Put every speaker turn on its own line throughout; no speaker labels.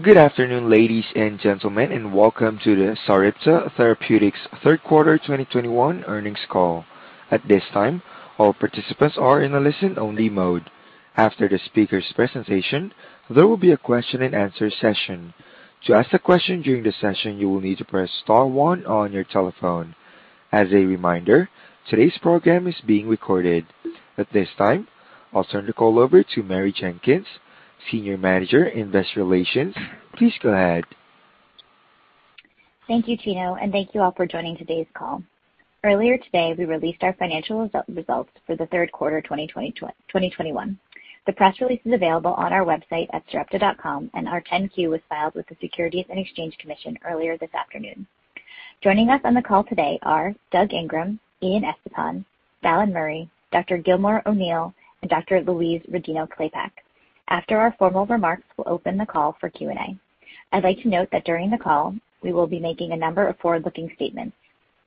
Good afternoon, ladies and gentlemen, and welcome to the Sarepta Therapeutics Third Quarter 2021 Earnings Call. At this time, all participants are in a listen-only mode. After the speaker's presentation, there will be a question-and-answer session. To ask a question during the session, you will need to press star one on your telephone. As a reminder, today's program is being recorded. At this time, I'll turn the call over to Mary Jenkins, Senior Manager, Investor Relations. Please go ahead.
Thank you, Chino, and thank you all for joining today's call. Earlier today, we released our financial results for the third quarter 2021. The press release is available on our website at sarepta.com, and our 10-Q was filed with the Securities and Exchange Commission earlier this afternoon. Joining us on the call today are Doug Ingram, Ian Estepan, Dallan Murray, Dr. Gilmore O'Neill, and Dr. Louise Rodino-Klapac. After our formal remarks, we'll open the call for Q&A. I'd like to note that during the call, we will be making a number of forward-looking statements.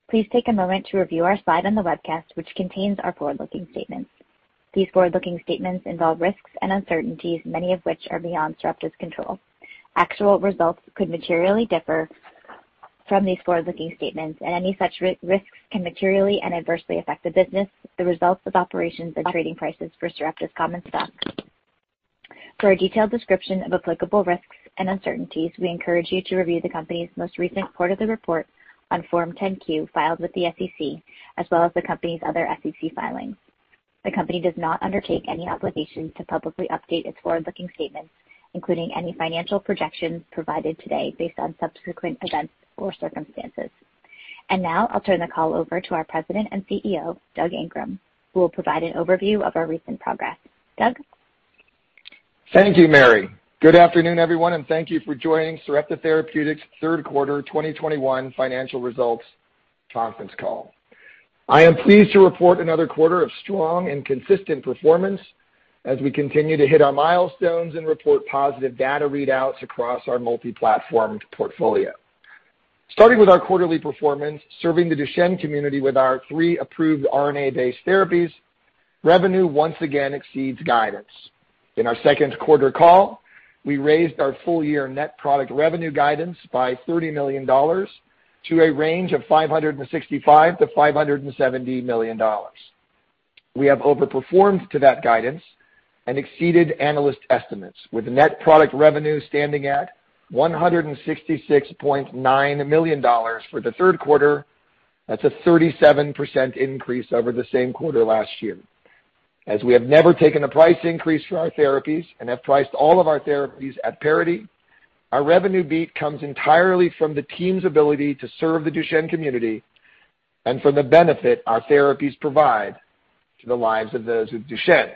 Please take a moment to review our slide on the webcast, which contains our forward-looking statements. These forward-looking statements involve risks and uncertainties, many of which are beyond Sarepta's control. Actual results could materially differ from these forward-looking statements, and any such risks can materially and adversely affect the business, the results of operations and trading prices for Sarepta's common stock. For a detailed description of applicable risks and uncertainties, we encourage you to review the company's most recent quarterly report on Form 10-Q filed with the SEC as well as the company's other SEC filings. The company does not undertake any obligation to publicly update its forward-looking statements, including any financial projections provided today based on subsequent events or circumstances. Now I'll turn the call over to our President and CEO, Doug Ingram, who will provide an overview of our recent progress. Doug?
Thank you, Mary. Good afternoon, everyone, and thank you for joining Sarepta Therapeutics third quarter 2021 financial results conference call. I am pleased to report another quarter of strong and consistent performance as we continue to hit our milestones and report positive data readouts across our multi-platformed portfolio. Starting with our quarterly performance, serving the Duchenne community with our three approved RNA-based therapies, revenue once again exceeds guidance. In our second quarter call, we raised our full year net product revenue guidance by $30 million to a range of $565 million-$570 million. We have overperformed to that guidance and exceeded analyst estimates, with net product revenue standing at $166.9 million for the third quarter. That's a 37% increase over the same quarter last year. As we have never taken a price increase for our therapies and have priced all of our therapies at parity, our revenue beat comes entirely from the team's ability to serve the Duchenne community and from the benefit our therapies provide to the lives of those with Duchenne.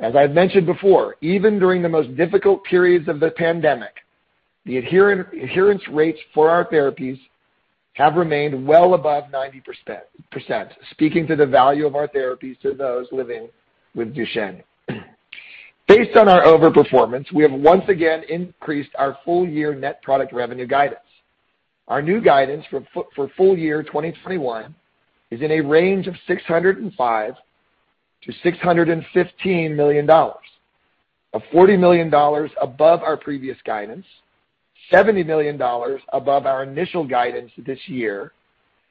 As I've mentioned before, even during the most difficult periods of the pandemic, the adherence rates for our therapies have remained well above 90%, speaking to the value of our therapies to those living with Duchenne. Based on our overperformance, we have once again increased our full year net product revenue guidance. Our new guidance for full year 2021 is in a range of $605 million-$615 million, $40 million above our previous guidance, $70 million above our initial guidance this year,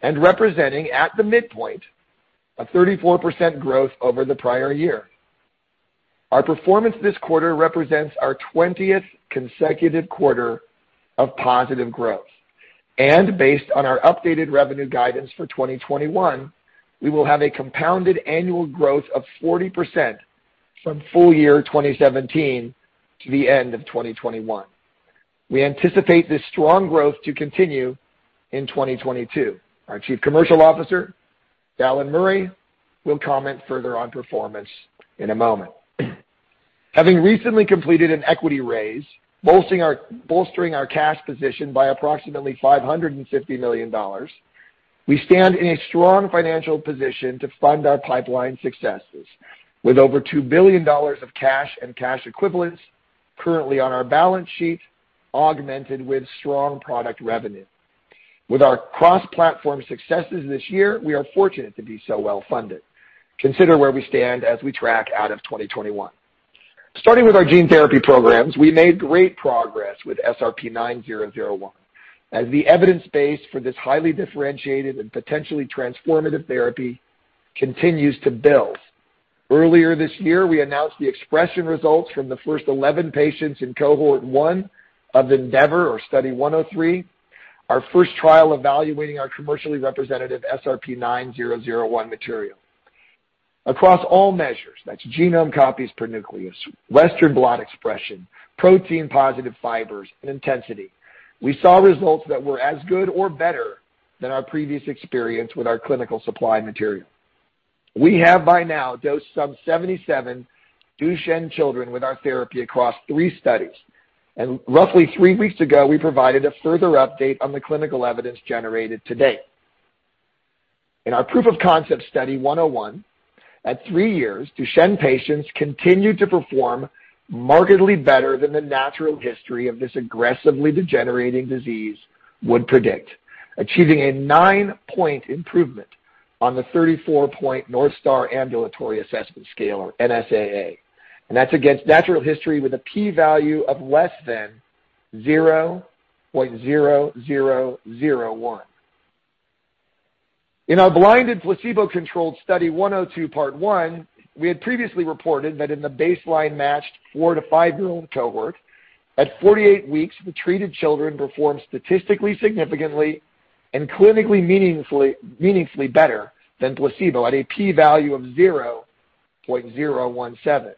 and representing, at the midpoint, 34% growth over the prior year. Our performance this quarter represents our 20th consecutive quarter of positive growth. Based on our updated revenue guidance for 2021, we will have a compounded annual growth of 40% from full year 2017 to the end of 2021. We anticipate this strong growth to continue in 2022. Our Chief Commercial Officer, Dallan Murray, will comment further on performance in a moment. Having recently completed an equity raise, bolstering our cash position by approximately $550 million, we stand in a strong financial position to fund our pipeline successes with over $2 billion of cash and cash equivalents currently on our balance sheet, augmented with strong product revenue. With our cross-platform successes this year, we are fortunate to be so well-funded. Consider where we stand as we track out of 2021. Starting with our gene therapy programs, we made great progress with SRP-9001 as the evidence base for this highly differentiated and potentially transformative therapy continues to build. Earlier this year, we announced the expression results from the first 11 patients in cohort one of ENDEAVOR or Study 103, our first trial evaluating our commercially representative SRP-9001 material. Across all measures, that's genome copies per nucleus, Western blot expression, protein positive fibers, and intensity, we saw results that were as good or better than our previous experience with our clinical supply material. We have by now dosed some 77 Duchenne children with our therapy across three studies, and roughly three weeks ago, we provided a further update on the clinical evidence generated to date. In our proof of concept Study 101, at three years, Duchenne patients continued to perform markedly better than the natural history of this aggressively degenerating disease would predict, achieving a nine-point improvement on the 34-point North Star Ambulatory Assessment scale, or NSAA, and that's against natural history with a P value of less than 0.0001. In our blinded placebo-controlled Study 102 part one, we had previously reported that in the baseline matched four to five-year-old cohort, at 48 weeks, the treated children performed statistically significantly and clinically meaningfully better than placebo at a P-value of 0.017.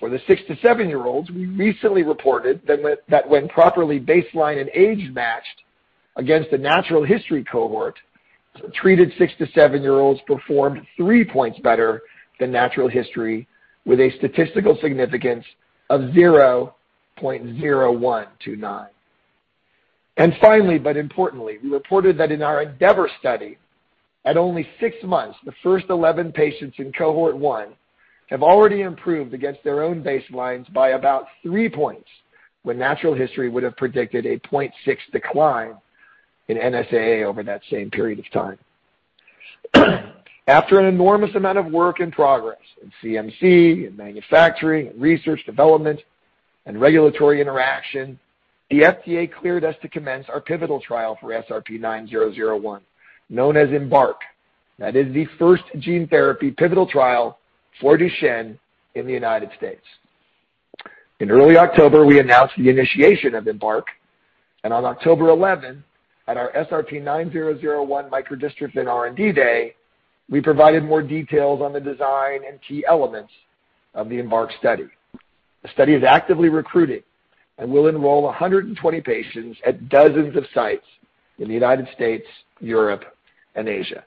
For the six to seven-year-olds, we recently reported that when properly baseline and age-matched against the natural history cohort, treated six to seven-year-olds performed three points better than natural history with a statistical significance of 0.0129. Finally, but importantly, we reported that in our ENDEAVOR study, at only six months, the first 11 patients in cohort 1 have already improved against their own baselines by about three points when natural history would have predicted a 0.6 decline in NSAA over that same period of time. After an enormous amount of work and progress in CMC, in manufacturing, in research, development, and regulatory interaction, the FDA cleared us to commence our pivotal trial for SRP-9001, known as EMBARK. That is the first gene therapy pivotal trial for Duchenne in the United States. In early October, we announced the initiation of EMBARK, and on October 11, at our SRP-9001 Micro-dystrophin Day, we provided more details on the design and key elements of the EMBARK study. The study is actively recruiting and will enroll 120 patients at dozens of sites in the United States, Europe, and Asia.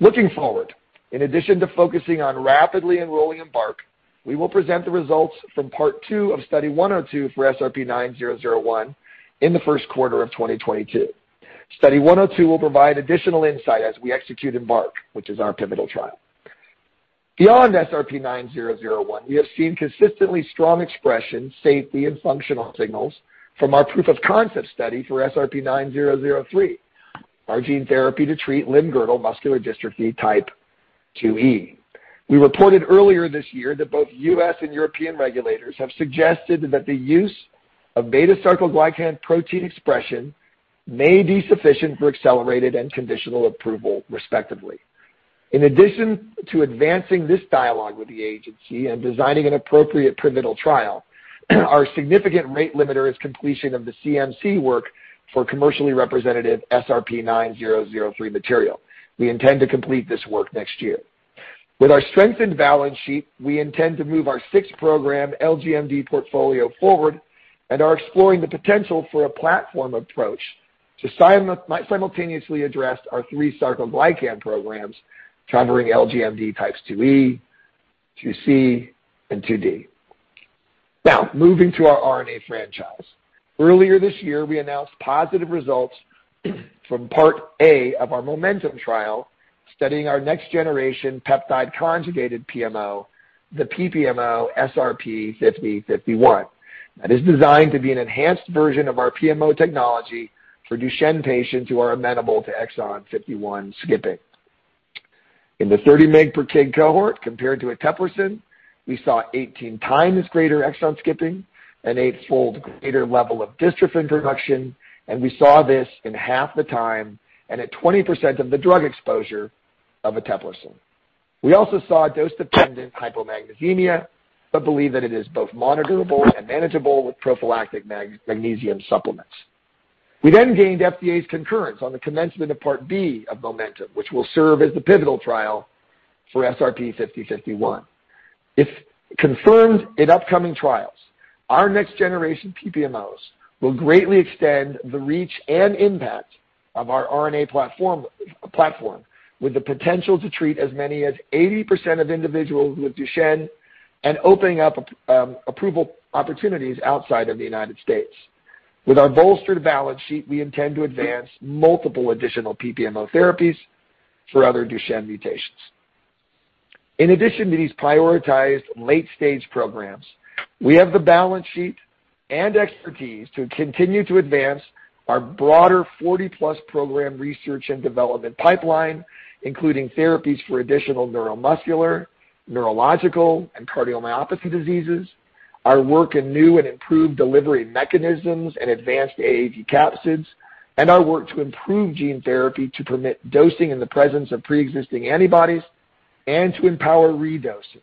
Looking forward, in addition to focusing on rapidly enrolling EMBARK, we will present the results from part two of Study 102 for SRP-9001 in the first quarter of 2022. Study 102 will provide additional insight as we execute EMBARK, which is our pivotal trial. Beyond SRP-9001, we have seen consistently strong expression, safety, and functional signals from our proof of concept study for SRP-9003, our gene therapy to treat limb-girdle muscular dystrophy type 2E. We reported earlier this year that both U.S. and European regulators have suggested that the use of beta-sarcoglycan protein expression may be sufficient for accelerated and conditional approval, respectively. In addition to advancing this dialogue with the agency and designing an appropriate pivotal trial, our significant rate limiter is completion of the CMC work for commercially representative SRP-9003 material. We intend to complete this work next year. With our strengthened balance sheet, we intend to move our six-program LGMD portfolio forward and are exploring the potential for a platform approach to simultaneously address our three sarcoglycan programs covering LGMD types 2E, 2C, and 2D. Now, moving to our RNA franchise. Earlier this year, we announced positive results from part A of our MOMENTUM trial studying our next-generation peptide conjugated PMO, the PPMO SRP-5051. That is designed to be an enhanced version of our PMO technology for Duchenne patients who are amenable to exon 51 skipping. In the 30 mg/per kg cohort, compared to eteplirsen, we saw 18x greater exon skipping, an eight-fold greater level of dystrophin production, and we saw this in half the time and at 20% of the drug exposure of eteplirsen. We also saw dose-dependent hypomagnesemia but believe that it is both monitorable and manageable with prophylactic magnesium supplements. We then gained FDA's concurrence on the commencement of part B of MOMENTUM, which will serve as the pivotal trial for SRP-5051. If confirmed in upcoming trials, our next-generation PPMOs will greatly extend the reach and impact of our RNA platform with the potential to treat as many as 80% of individuals with Duchenne and opening up approval opportunities outside of the United States. With our bolstered balance sheet, we intend to advance multiple additional PPMO therapies for other Duchenne mutations. In addition to these prioritized late-stage programs, we have the balance sheet and expertise to continue to advance our broader 40-plus program research and development pipeline, including therapies for additional neuromuscular, neurological, and cardiomyopathy diseases, our work in new and improved delivery mechanisms and advanced AAV capsids, and our work to improve gene therapy to permit dosing in the presence of preexisting antibodies and to empower redosing.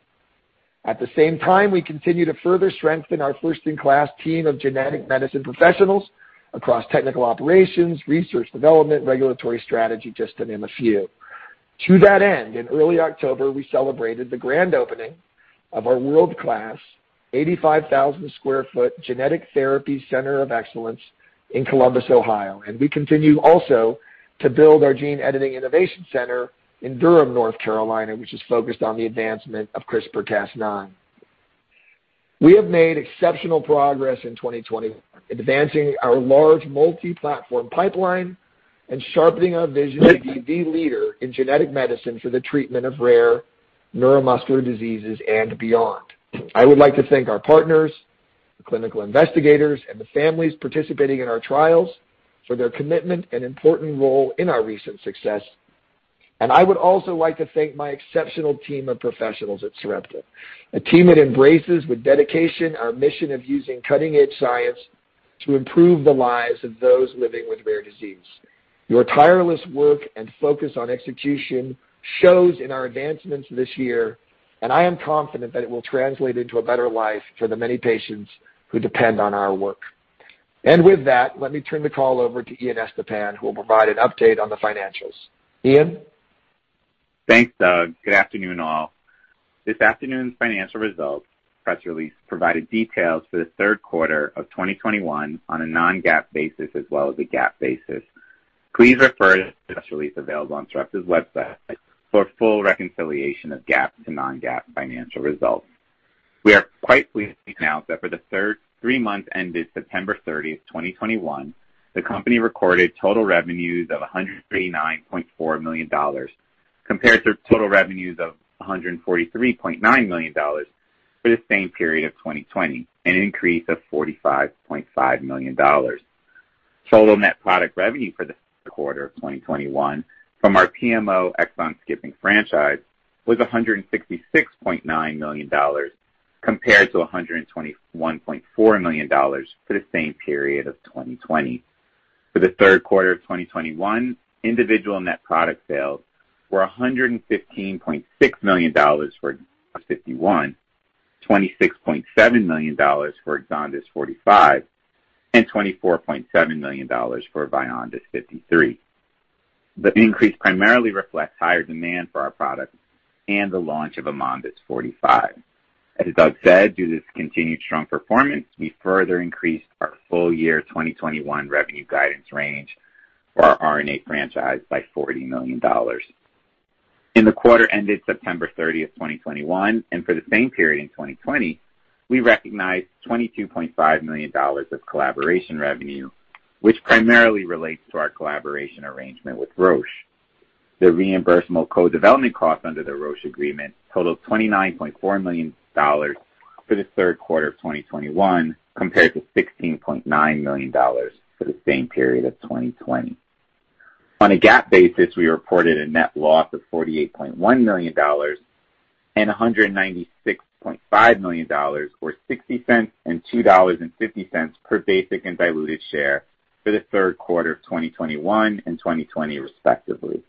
At the same time, we continue to further strengthen our first-in-class team of genetic medicine professionals across technical operations, research development, regulatory strategy, just to name a few. To that end, in early October, we celebrated the grand opening of our world-class 85,000 sq ft Genetic Therapies Center of Excellence in Columbus, Ohio. We continue also to build our Gene Editing Innovation Center in Durham, North Carolina, which is focused on the advancement of CRISPR-Cas9. We have made exceptional progress in 2021, advancing our large multi-platform pipeline and sharpening our vision to be the leader in genetic medicine for the treatment of rare neuromuscular diseases and beyond. I would like to thank our partners, the clinical investigators and the families participating in our trials for their commitment and important role in our recent success. I would also like to thank my exceptional team of professionals at Sarepta, a team that embraces with dedication our mission of using cutting-edge science to improve the lives of those living with rare disease. Your tireless work and focus on execution shows in our advancements this year, and I am confident that it will translate into a better life for the many patients who depend on our work. With that, let me turn the call over to Ian Estepan, who will provide an update on the financials. Ian?
Thanks, Doug. Good afternoon, all. This afternoon's financial results press release provided details for the third quarter of 2021 on a non-GAAP basis as well as a GAAP basis. Please refer to the press release available on Sarepta's website for full reconciliation of GAAP to non-GAAP financial results. We are quite pleased to announce that for the three months ended September 30, 2021, the company recorded total revenues of $139.4 million, compared to total revenues of $143.9 million for the same period of 2020, an increase of $45.5 million. Total net product revenue for the quarter of 2021 from our PMO exon-skipping franchise was $166.9 million, compared to $121.4 million for the same period of 2020. For the third quarter of 2021, individual net product sales were $115.6 million for EXONDYS 51, $26.7 million for AMONDYS 45, and $24.7 million for VYONDYS 53. The increase primarily reflects higher demand for our products and the launch of AMONDYS 45. As Doug said, due to this continued strong performance, we further increased our full year 2021 revenue guidance range for our RNA franchise by $40 million. In the quarter ended September 30, 2021, and for the same period in 2020, we recognized $22.5 million of collaboration revenue, which primarily relates to our collaboration arrangement with Roche. The reimbursable co-development costs under the Roche agreement totaled $29.4 million for the third quarter of 2021, compared to $16.9 million for the same period of 2020. On a GAAP basis, we reported a net loss of $48.1 million and $196.5 million, or $0.60 and $2.50 per basic and diluted share for the third quarter of 2021 and 2020, respectively.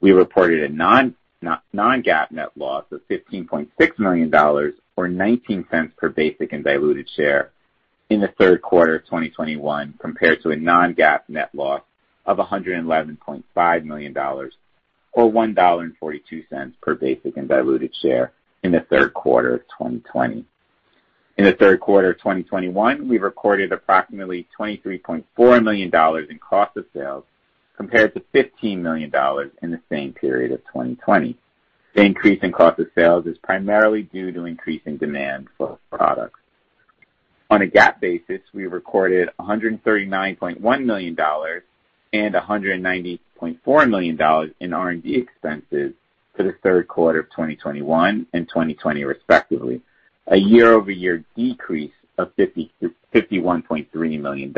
We reported a non-GAAP net loss of $15.6 million, or $0.19 per basic and diluted share in the third quarter of 2021, compared to a non-GAAP net loss of $111.5 million, or $1.42 per basic and diluted share in the third quarter of 2020. In the third quarter of 2021, we recorded approximately $23.4 million in cost of sales, compared to $15 million in the same period of 2020. The increase in cost of sales is primarily due to increasing demand for products. On a GAAP basis, we recorded $139.1 million and $190.4 million in R&D expenses for the third quarter of 2021 and 2020, respectively, a year-over-year decrease of $51.3 million.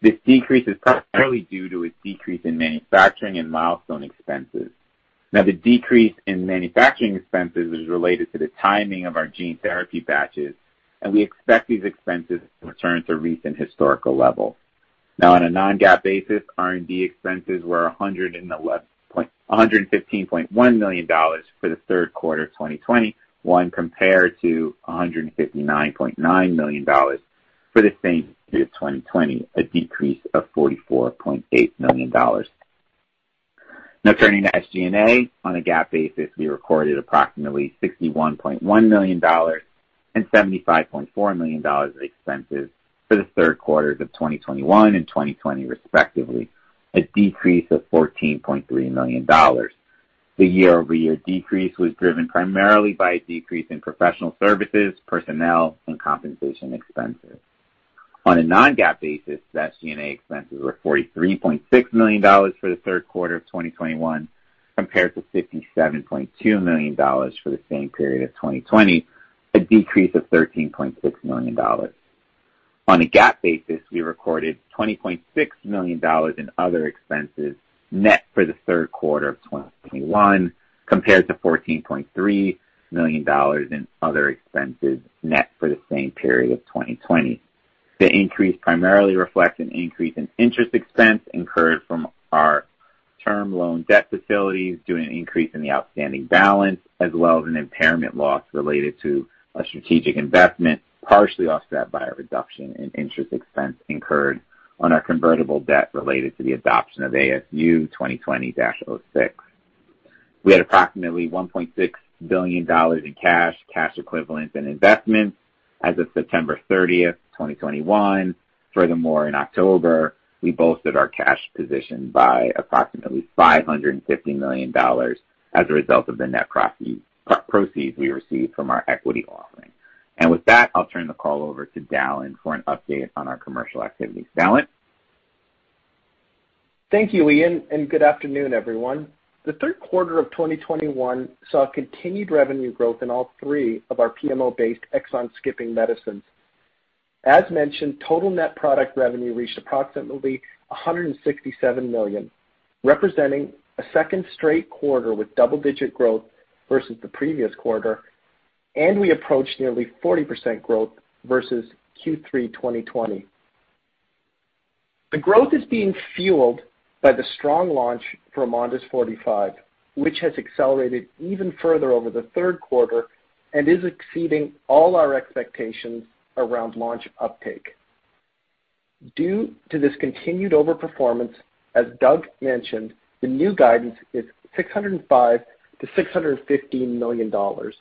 This decrease is primarily due to a decrease in manufacturing and milestone expenses. Now, the decrease in manufacturing expenses is related to the timing of our gene therapy batches, and we expect these expenses to return to recent historical levels. Now on a non-GAAP basis, R&D expenses were $115.1 million for the third quarter of 2021 compared to $159.9 million for the same period of 2020, a decrease of $44.8 million. Now turning to SG&A. On a GAAP basis, we recorded approximately $61.1 million and $75.4 million expenses for the third quarters of 2021 and 2020, respectively, a decrease of $14.3 million. The year-over-year decrease was driven primarily by a decrease in professional services, personnel, and compensation expenses. On a non-GAAP basis, the SG&A expenses were $43.6 million for the third quarter of 2021, compared to $57.2 million for the same period of 2020, a decrease of $13.6 million. On a GAAP basis, we recorded $20.6 million in other expenses net for the third quarter of 2021, compared to $14.3 million in other expenses net for the same period of 2020. The increase primarily reflects an increase in interest expense incurred from our term loan debt facilities due to an increase in the outstanding balance as well as an impairment loss related to a strategic investment, partially offset by a reduction in interest expense incurred on our convertible debt related to the adoption of ASU 2020-06. We had approximately $1.6 billion in cash equivalents, and investments as of September 30, 2021. Furthermore, in October, we bolstered our cash position by approximately $550 million as a result of the net proceeds we received from our equity offering. With that, I'll turn the call over to Dallan for an update on our commercial activities. Dallan?
Thank you, Ian, and good afternoon, everyone. The third quarter of 2021 saw continued revenue growth in all three of our PMO-based exon-skipping medicines. As mentioned, total net product revenue reached approximately $167 million, representing a second straight quarter with double-digit growth versus the previous quarter, and we approached nearly 40% growth versus Q3 2020. The growth is being fueled by the strong launch for AMONDYS 45, which has accelerated even further over the third quarter and is exceeding all our expectations around launch uptake. Due to this continued overperformance, as Doug mentioned, the new guidance is $605 million-$615 million.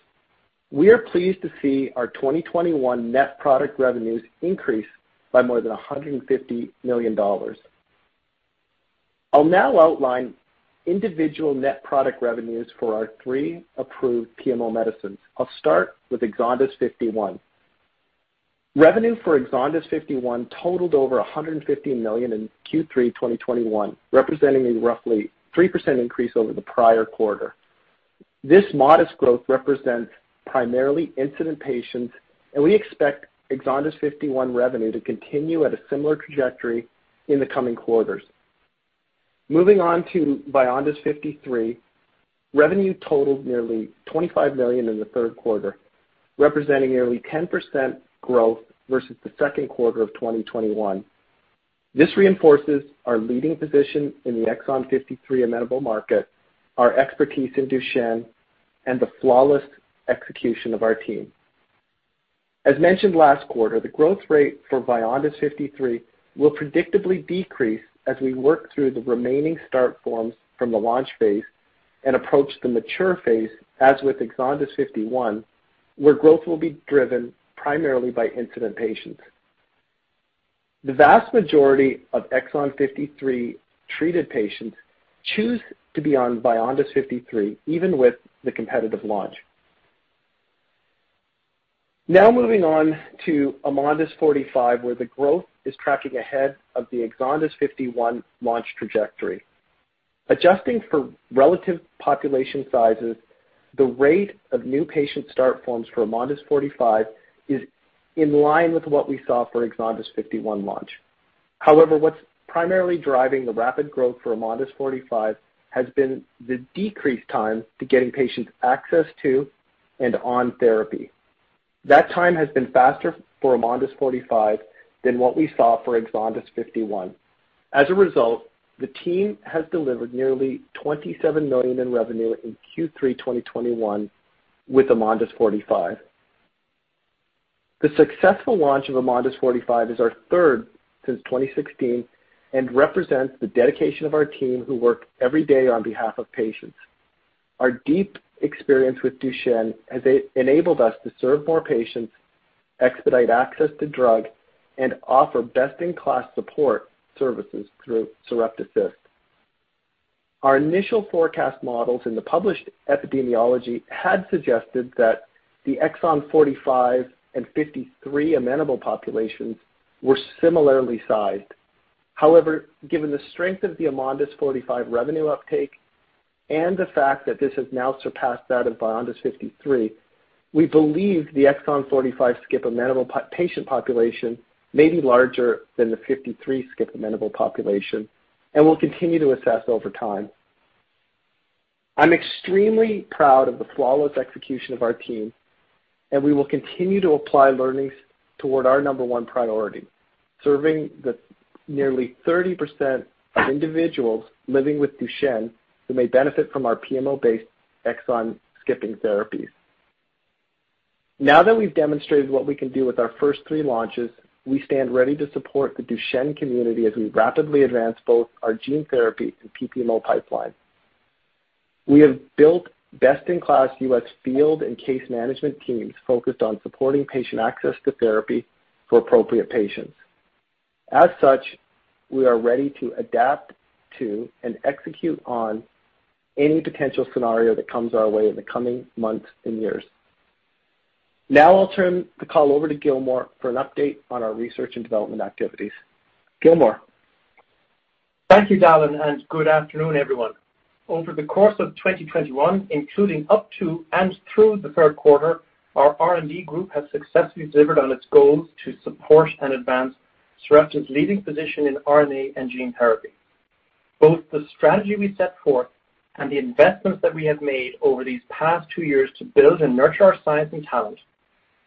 We are pleased to see our 2021 net product revenues increase by more than $150 million. I'll now outline individual net product revenues for our three approved PMO medicines. I'll start with EXONDYS 51. Revenue for EXONDYS 51 totaled over $150 million in Q3 2021, representing a roughly 3% increase over the prior quarter. This modest growth represents primarily incident patients, and we expect EXONDYS 51 revenue to continue at a similar trajectory in the coming quarters. Moving on to VYONDYS 53, revenue totaled nearly $25 million in the third quarter, representing nearly 10% growth versus the second quarter of 2021. This reinforces our leading position in the exon 53 amenable market, our expertise in Duchenne, and the flawless execution of our team. As mentioned last quarter, the growth rate for VYONDYS 53 will predictably decrease as we work through the remaining start forms from the launch phase and approach the mature phase, as with EXONDYS 51, where growth will be driven primarily by incident patients. The vast majority of exon 53-treated patients choose to be on VYONDYS 53, even with the competitive launch. Now moving on to AMONDYS 45, where the growth is tracking ahead of the EXONDYS 51 launch trajectory. Adjusting for relative population sizes, the rate of new patient start forms for AMONDYS 45 is in line with what we saw for EXONDYS 51 launch. However, what's primarily driving the rapid growth for AMONDYS 45 has been the decreased time to getting patients access to and on therapy. That time has been faster for AMONDYS 45 than what we saw for EXONDYS 51. As a result, the team has delivered nearly $27 million in revenue in Q3 2021 with AMONDYS 45. The successful launch of AMONDYS 45 is our third since 2016 and represents the dedication of our team who work every day on behalf of patients. Our deep experience with Duchenne has enabled us to serve more patients, expedite access to drug, and offer best-in-class support services through Sarepta Assist. Our initial forecast models in the published epidemiology had suggested that the exon 45 and 53 amenable populations were similarly sized. However, given the strength of the AMONDYS 45 revenue uptake and the fact that this has now surpassed that of VYONDYS 53, we believe the exon 45 skip amenable patient population may be larger than the 53 skip amenable population and will continue to assess over time. I'm extremely proud of the flawless execution of our team, and we will continue to apply learnings toward our number one priority, serving the nearly 30% of individuals living with Duchenne who may benefit from our PMO-based exon-skipping therapies. Now that we've demonstrated what we can do with our first three launches, we stand ready to support the Duchenne community as we rapidly advance both our gene therapy and PPMO pipeline. We have built best-in-class U.S. field and case management teams focused on supporting patient access to therapy for appropriate patients. As such, we are ready to adapt to and execute on any potential scenario that comes our way in the coming months and years. Now I'll turn the call over to Gilmore for an update on our research and development activities. Gilmore?
Thank you, Dallan, and good afternoon, everyone. Over the course of 2021, including up to and through the third quarter, our R&D group has successfully delivered on its goals to support and advance Sarepta's leading position in RNA and gene therapy. Both the strategy we set forth and the investments that we have made over these past two years to build and nurture our science and talent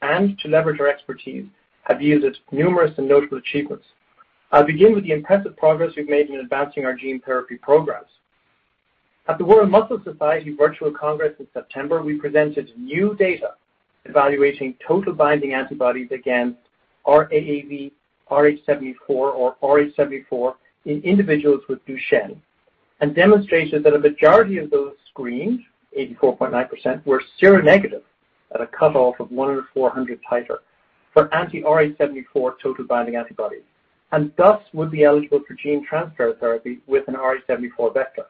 and to leverage our expertise have yielded numerous and notable achievements. I'll begin with the impressive progress we've made in advancing our gene therapy programs. At the World Muscle Society Virtual Congress in September, we presented new data evaluating total binding antibodies against rAAVrh74 or RH74 in individuals with Duchenne, and demonstrated that a majority of those screened, 84.9%, were seronegative at a cutoff of 1:400 titer for anti-RH74 total binding antibodies, and thus would be eligible for gene transfer therapy with an RH4 vector.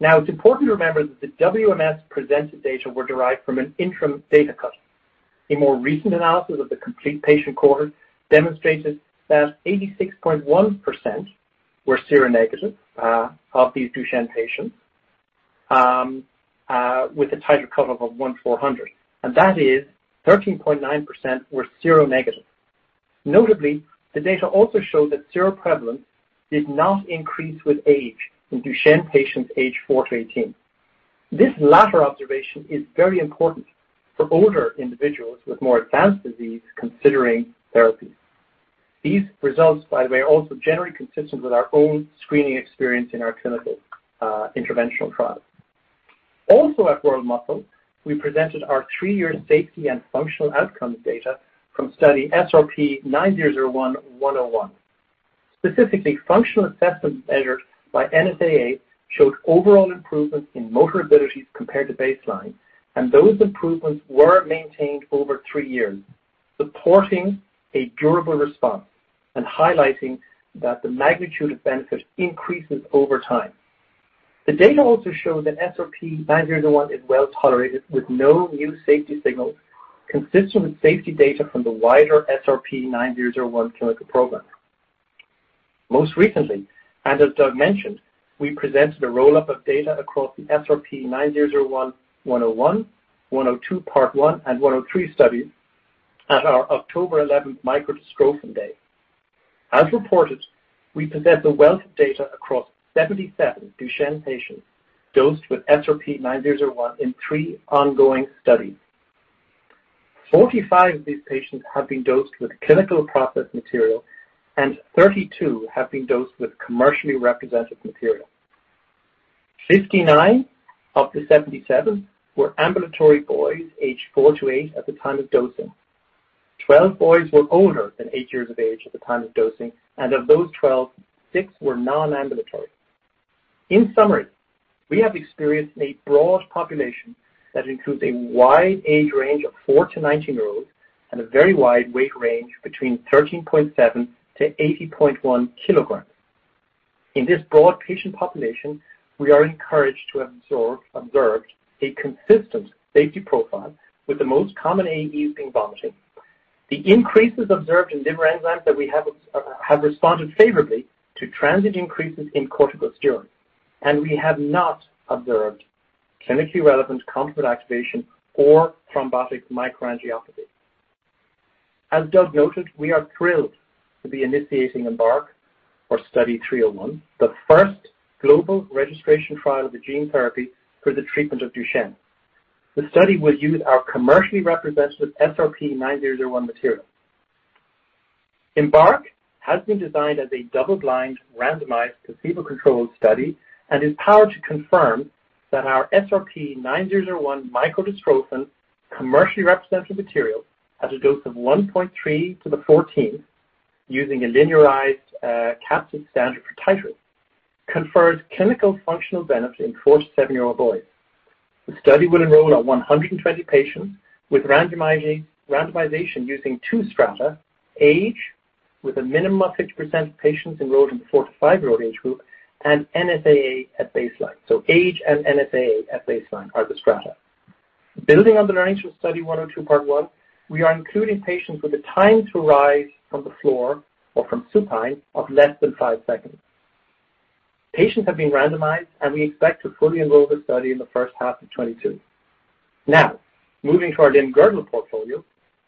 Now, it's important to remember that the WMS presented data were derived from an interim data cut. A more recent analysis of the complete patient cohort demonstrated that 86.1% were seronegative of these Duchenne patients with a titer cutoff of 1:400, and 13.9% were seronegative. Notably, the data also showed that seroprevalence did not increase with age in Duchenne patients aged four to 18. This latter observation is very important for older individuals with more advanced disease considering therapy. These results, by the way, are also generally consistent with our own screening experience in our clinical, interventional trials. Also, at World Muscle, we presented our three-year safety and functional outcomes data from Study SRP-9001-101. Specifically, functional assessments measured by NSAA showed overall improvements in motor abilities compared to baseline, and those improvements were maintained over three years, supporting a durable response and highlighting that the magnitude of benefit increases over time. The data also show that SRP-9001 is well-tolerated with no new safety signals consistent with safety data from the wider SRP-9001 clinical program. Most recently, as Doug mentioned, we presented a roll-up of data across the SRP-9001-101, SRP-9001-102 part 1, and SRP-9001-103 studies at our October 11 Micro-dystrophin Day. As reported, we present a wealth of data across 77 Duchenne patients dosed with SRP-9001 in three ongoing studies. 45 of these patients have been dosed with clinical process material, and 32 have been dosed with commercially representative material. 59 of the 77 were ambulatory boys aged four to eight at the time of dosing. 12 boys were older than eight years of age at the time of dosing, and of those 12, six were non-ambulatory. In summary, we have experienced a broad population that includes a wide age range of four to 19-year-olds and a very wide weight range between 13.7-80.1 kg. In this broad patient population, we are encouraged to have observed a consistent safety profile with the most common AEs being vomiting. The increases observed in liver enzymes that we have responded favorably to transient increases in corticosteroids, and we have not observed clinically relevant complement activation or thrombotic microangiopathy. As Doug noted, we are thrilled to be initiating EMBARK, our Study 301, the first global registration trial of a gene therapy for the treatment of Duchenne. The study will use our commercially representative SRP-9001 material. EMBARK has been designed as a double-blind randomized placebo-controlled study and is powered to confirm that our SRP-9001 micro-dystrophin commercially representative material at a dose of 1.3 × 10^{14}, using a linearized capsid standard for titer, confers clinical functional benefit in four to seven-year-old boys. The study will enroll up to 120 patients with randomization using two strata, age, with a minimum of 50% of patients enrolled in the four to five-year-old age group, and NSAA at baseline. Age and NSAA at baseline are the strata. Building on the learnings from Study 102 part 1, we are including patients with a time to rise from the floor or from supine of less than five seconds. Patients have been randomized, and we expect to fully enroll the study in the first half of 2022. Now, moving to our limb-girdle portfolio,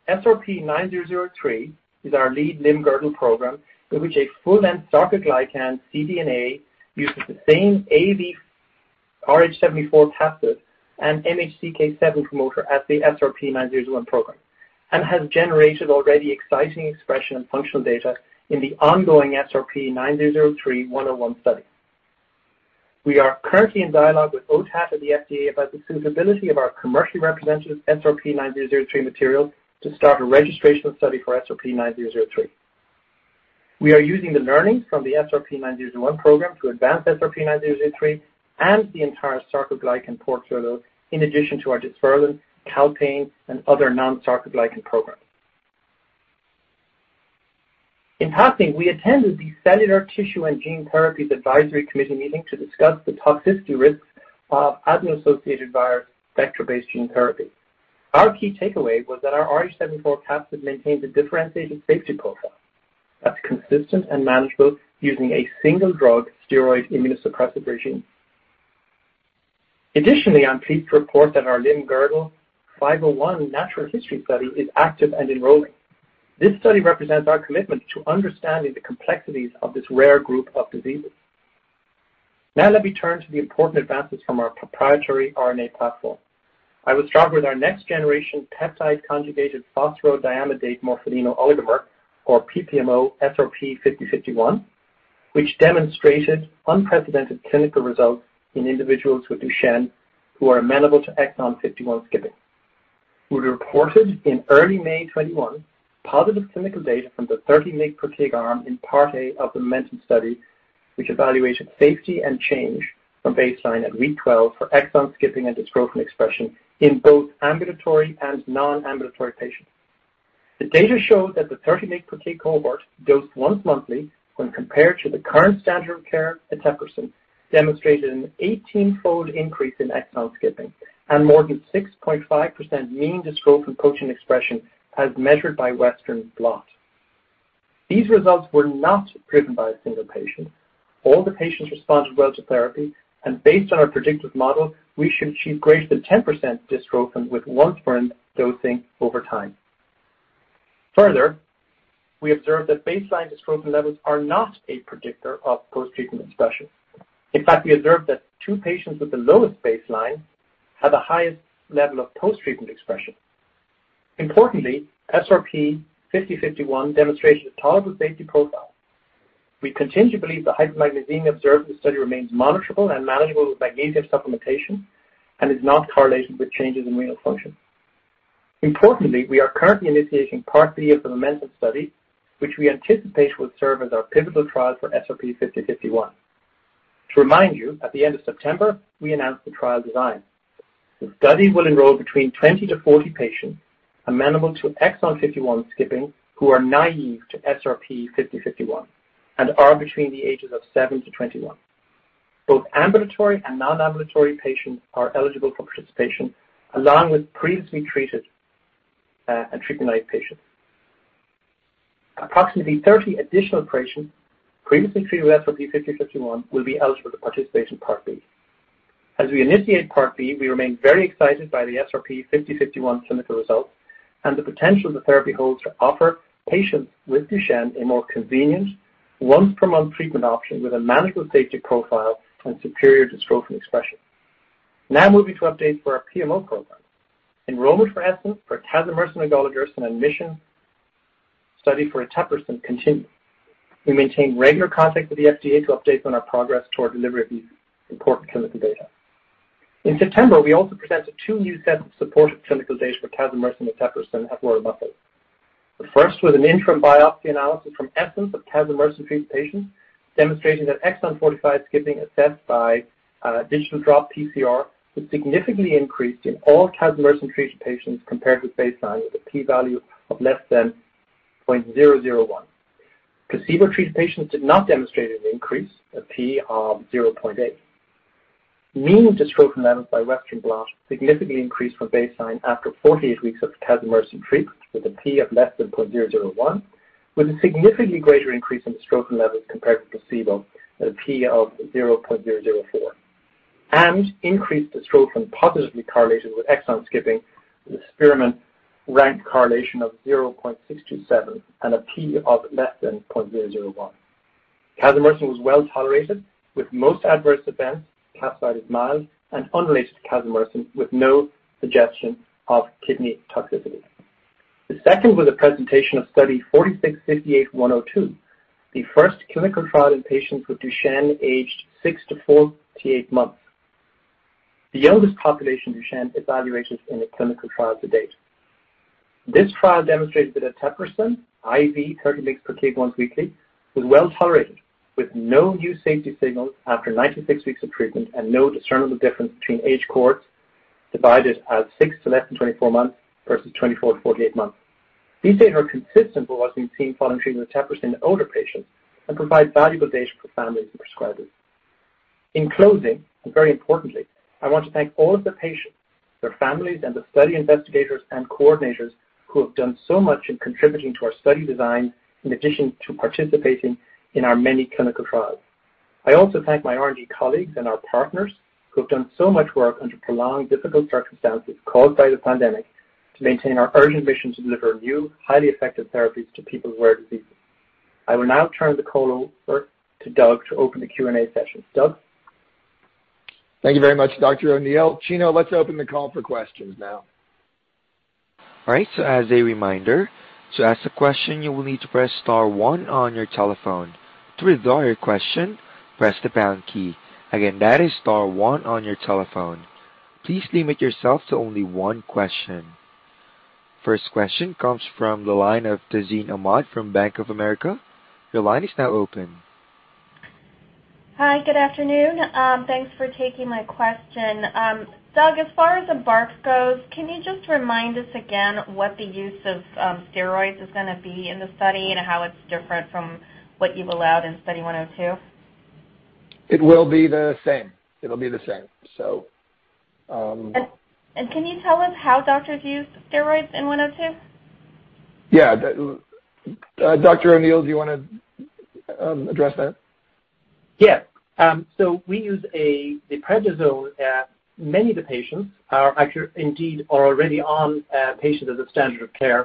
SRP-9003 is our lead limb-girdle program, in which a full-length sarcoglycan cDNA uses the same AAVrh74 capsid and MHCK7 promoter as the SRP-9001 program and has generated already exciting expression and functional data in the ongoing SRP-9003-101 study. We are currently in dialogue with OTAT and the FDA about the suitability of our commercially representative SRP-9003 material to start a registrational study for SRP-9003. We are using the learnings from the SRP-9001 program to advance SRP-9003 and the entire sarcoglycan portfolio in addition to our dysferlin, calpain, and other non-sarcoglycan programs. In passing, we attended the Cellular, Tissue, and Gene Therapies Advisory Committee meeting to discuss the toxicity risks of adeno-associated virus vector-based gene therapy. Our key takeaway was that our RH74 capsid maintained a differentiated safety profile that's consistent and manageable using a single-drug steroid immunosuppressive regime. Additionally, I'm pleased to report that our Limb-Girdle 501 natural history study is active and enrolling. This study represents our commitment to understanding the complexities of this rare group of diseases. Now let me turn to the important advances from our proprietary RNA platform. I will start with our next-generation peptide conjugated phosphorodiamidate morpholino oligomer, or PPMO, SRP-5051, which demonstrated unprecedented clinical results in individuals with Duchenne who are amenable to exon 51 skipping. We reported in early May 2021 positive clinical data from the 30 mg/kg arm in part A of the MOMENTUM study, which evaluated safety and change from baseline at week 12 for exon skipping and dystrophin expression in both ambulatory and non-ambulatory patients. The data showed that the 30 mg/kg cohort dosed once monthly when compared to the current standard of care, eteplirsen, demonstrated an 18-fold increase in exon skipping and more than 6.5% mean dystrophin protein expression as measured by Western blot. These results were not driven by a single patient. All the patients responded well to therapy, and based on our predictive model, we should achieve greater than 10% dystrophin with once-per-dosing over time. Further, we observed that baseline dystrophin levels are not a predictor of post-treatment expression. In fact, we observed that two patients with the lowest baseline had the highest level of post-treatment expression. Importantly, SRP-5051 demonstrated a tolerable safety profile. We continue to believe the hypomagnesemia observed in the study remains manageable with magnesium supplementation and is not correlated with changes in renal function. Importantly, we are currently initiating part B of the MOMENTUM study, which we anticipate will serve as our pivotal trial for SRP-5051. To remind you, at the end of September, we announced the trial design. The study will enroll between 20-40 patients amenable to exon 51 skipping who are naive to SRP-5051 and are between the ages of seven to 21. Both ambulatory and non-ambulatory patients are eligible for participation along with previously treated, and treatment-naive patients. Approximately 30 additional patients previously treated with SRP-5051 will be eligible to participate in part B. As we initiate part B, we remain very excited by the SRP-5051 clinical results and the potential the therapy holds to offer patients with Duchenne a more convenient once-per-month treatment option with a manageable safety profile and superior dystrophin expression. Now moving to updates for our PMO program. Enrollment for ESSENCE for casimersen and golodirsen, and MIS51ON study for eteplirsen continue. We maintain regular contact with the FDA to update on our progress toward delivery of these important clinical data. In September, we also presented two new sets of supportive clinical data for casimersen and eteplirsen at World Muscle. The first was an interim biopsy analysis from ESSENCE of casimersen-treated patients, demonstrating that exon 45 skipping assessed by droplet digital PCR was significantly increased in all casimersen-treated patients compared with baseline with a P value of <0.001. Placebo-treated patients did not demonstrate an increase, a P of 0.8. Mean dystrophin levels by Western blot significantly increased from baseline after 48 weeks of casimersen treatment with a P of <0.001, with a significantly greater increase in dystrophin levels compared to placebo at a P of 0.004. Increased dystrophin positively correlated with exon skipping with a Spearman rank correlation of 0.627 and a P of <0.001. Casimersen was well-tolerated, with most adverse events classified as mild and unrelated to casimersen, with no suggestion of kidney toxicity. The second was a presentation of Study 46-58-102, the first clinical trial in patients with Duchenne aged six to 48 months, the youngest population of Duchenne evaluated in a clinical trial to date. This trial demonstrated that eteplirsen IV 30 mg/kg once weekly was well tolerated, with no new safety signals after 96 weeks of treatment and no discernible difference between age cohorts divided as six to less than 24 months versus 24 to 48 months. These data are consistent with what's been seen following treatment with eteplirsen in older patients and provide valuable data for families and prescribers. In closing, and very importantly, I want to thank all of the patients, their families, and the study investigators and coordinators who have done so much in contributing to our study design in addition to participating in our many clinical trials. I also thank my R&D colleagues and our partners who have done so much work under prolonged, difficult circumstances caused by the pandemic to maintain our urgent mission to deliver new, highly effective therapies to people with rare diseases. I will now turn the call over to Doug to open the Q&A session. Doug?
Thank you very much, Dr. O'Neill. Chino, let's open the call for questions now.
All right. As a reminder, to ask a question, you will need to press star one on your telephone. To withdraw your question, press the pound key. Again, that is star one on your telephone. Please limit yourself to only one question. First question comes from the line of Tazeen Ahmad from Bank of America. Your line is now open.
Hi. Good afternoon. Thanks for taking my question. Doug, as far as EMBARK goes, can you just remind us again what the use of steroids is gonna be in the study and how it's different from what you've allowed in Study 102?
It will be the same.
Can you tell us how doctors used steroids in 102?
Yeah. Dr. O'Neill, do you wanna address that?
Yeah. We use the prednisone. Many of the patients are actually indeed already on prednisone as a standard of care.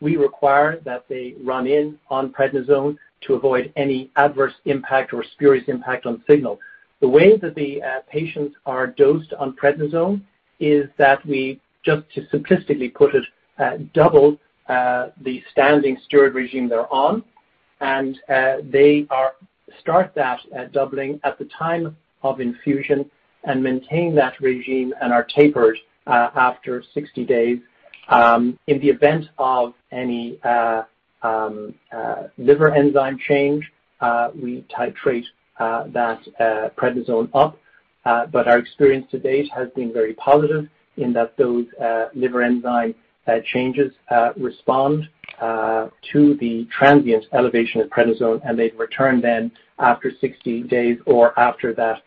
We require that they run in on prednisone to avoid any adverse impact or spurious impact on signal. The way that the patients are dosed on prednisone is that we, just to simplistically put it, double the standing steroid regimen they're on, and they start that doubling at the time of infusion and maintain that regimen and are tapered after 60 days. In the event of any liver enzyme change, we titrate that prednisone up. Our experience to date has been very positive in that those liver enzyme changes respond to the transient elevation of prednisone, and they've returned then after 60 days or after that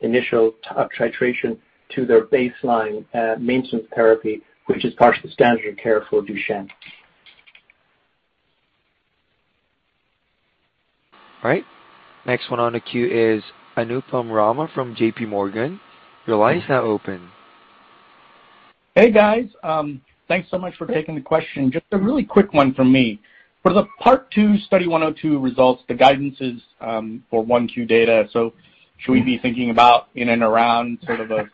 initial titration to their baseline maintenance therapy, which is part of the standard of care for Duchenne.
All right. Next one on the queue is Anupam Rama from J.P. Morgan. Your line is now open.
Hey, guys. Thanks so much for taking the question. Just a really quick one from me. For the part two Study 102 results, the guidance is for 1Q data. Should we be thinking about in and around sort of an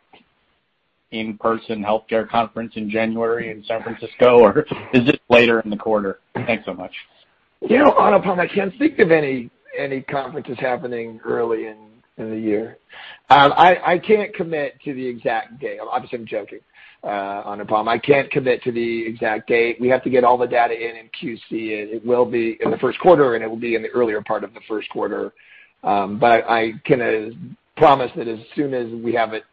in-person healthcare conference in January in San Francisco, or is this later in the quarter? Thanks so much.
You know, Anupam, I can't think of any conferences happening early in the year. I can't commit to the exact day. Obviously, I'm joking, Anupam. I can't commit to the exact date. We have to get all the data in and QC it. It will be in the first quarter, and it will be in the earlier part of the first quarter. I can promise that as soon as we have it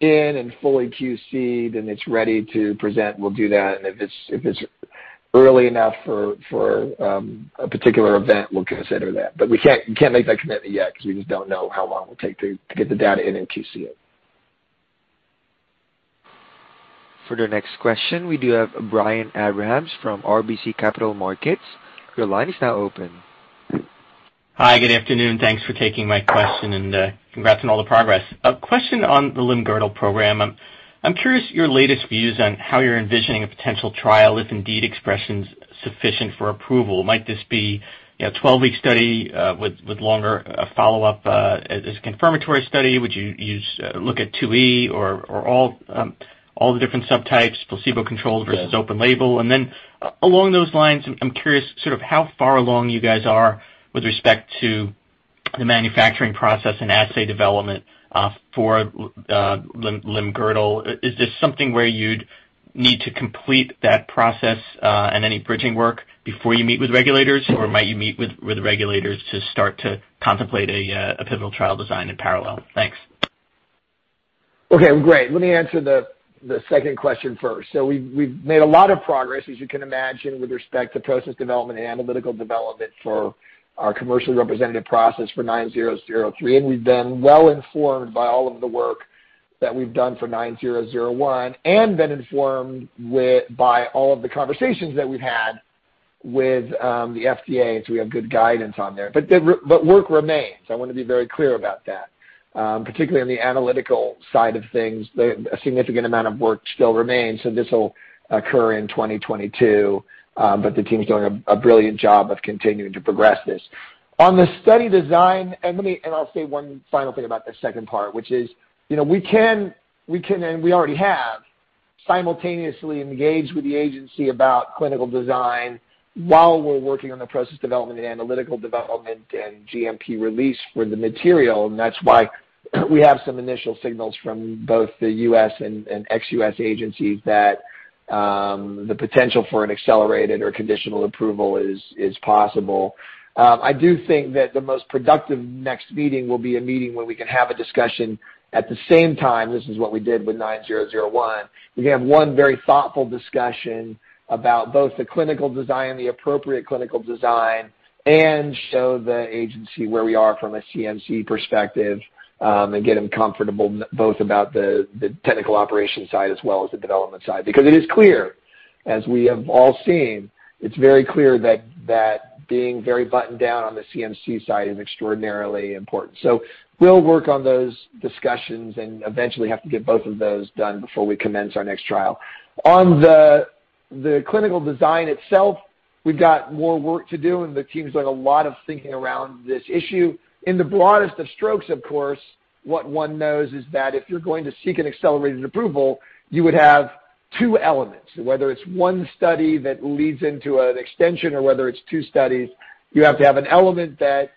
in and fully QC'd, and it's ready to present, we'll do that. If it's early enough for a particular event, we'll consider that. We can't make that commitment yet because we just don't know how long it will take to get the data in and QC it.
For the next question, we do have Brian Abrahams from RBC Capital Markets. Your line is now open.
Hi. Good afternoon. Thanks for taking my question, and congrats on all the progress. A question on the limb-girdle program. I'm curious your latest views on how you're envisioning a potential trial, if indeed expression's sufficient for approval. Might this be a 12-week study with longer follow-up as a confirmatory study? Would you look at 2E or all the different subtypes, placebo-controlled versus open label? Along those lines, I'm curious sort of how far along you guys are with respect to the manufacturing process and assay development for limb-girdle. Is this something where you'd need to complete that process and any bridging work before you meet with regulators, or might you meet with the regulators to start to contemplate a pivotal trial design in parallel? Thanks.
Okay. Great. Let me answer the second question first. We've made a lot of progress, as you can imagine, with respect to process development and analytical development for our commercially representative process for SRP-9003. We've been well informed by all of the work that we've done for SRP-9001 and been informed by all of the conversations that we've had with the FDA, so we have good guidance on there. But work remains. I wanna be very clear about that, particularly on the analytical side of things. A significant amount of work still remains, so this will occur in 2022, but the team is doing a brilliant job of continuing to progress this. On the study design, let me... I'll say one final thing about the second part, which is, you know, we can and we already have simultaneously engaged with the agency about clinical design while we're working on the process development and analytical development and GMP release for the material. That's why we have some initial signals from both the U.S. and ex-U.S. agencies that the potential for an accelerated or conditional approval is possible. I do think that the most productive next meeting will be a meeting where we can have a discussion at the same time. This is what we did with SRP-9001. We can have one very thoughtful discussion about both the clinical design and the appropriate clinical design and show the agency where we are from a CMC perspective, and get them comfortable both about the technical operations side as well as the development side. Because it is clear, as we have all seen, it's very clear that being very buttoned down on the CMC side is extraordinarily important. We'll work on those discussions and eventually have to get both of those done before we commence our next trial. On the clinical design itself, we've got more work to do, and the team's doing a lot of thinking around this issue. In the broadest of strokes, of course, what one knows is that if you're going to seek an accelerated approval, you would have two elements. Whether it's one study that leads into an extension or whether it's two studies, you have to have an element that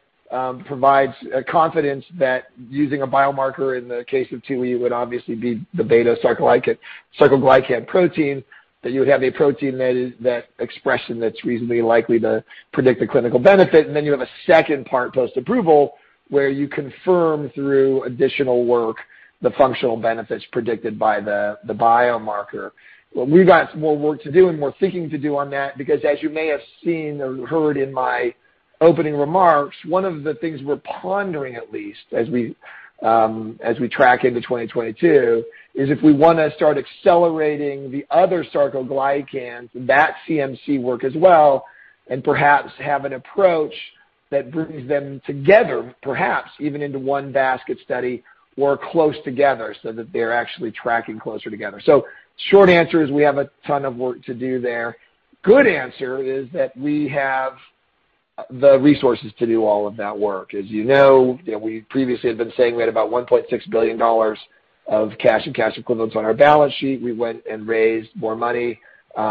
provides confidence that using a biomarker, in the case of 2E, would obviously be the beta-sarcoglycan, sarcoglycan protein, that you would have a protein that expression that's reasonably likely to predict the clinical benefit. Then you have a second part post-approval, where you confirm through additional work the functional benefits predicted by the biomarker. We've got more work to do and more thinking to do on that because as you may have seen or heard in my opening remarks, one of the things we're pondering at least, as we track into 2022, is if we wanna start accelerating the other sarcoglycans, that CMC work as well, and perhaps have an approach that brings them together, perhaps even into one basket study or close together so that they're actually tracking closer together. Short answer is we have a ton of work to do there. Good answer is that we have the resources to do all of that work. As you know, you know, we previously had been saying we had about $1.6 billion of cash and cash equivalents on our balance sheet. We went and raised more money, you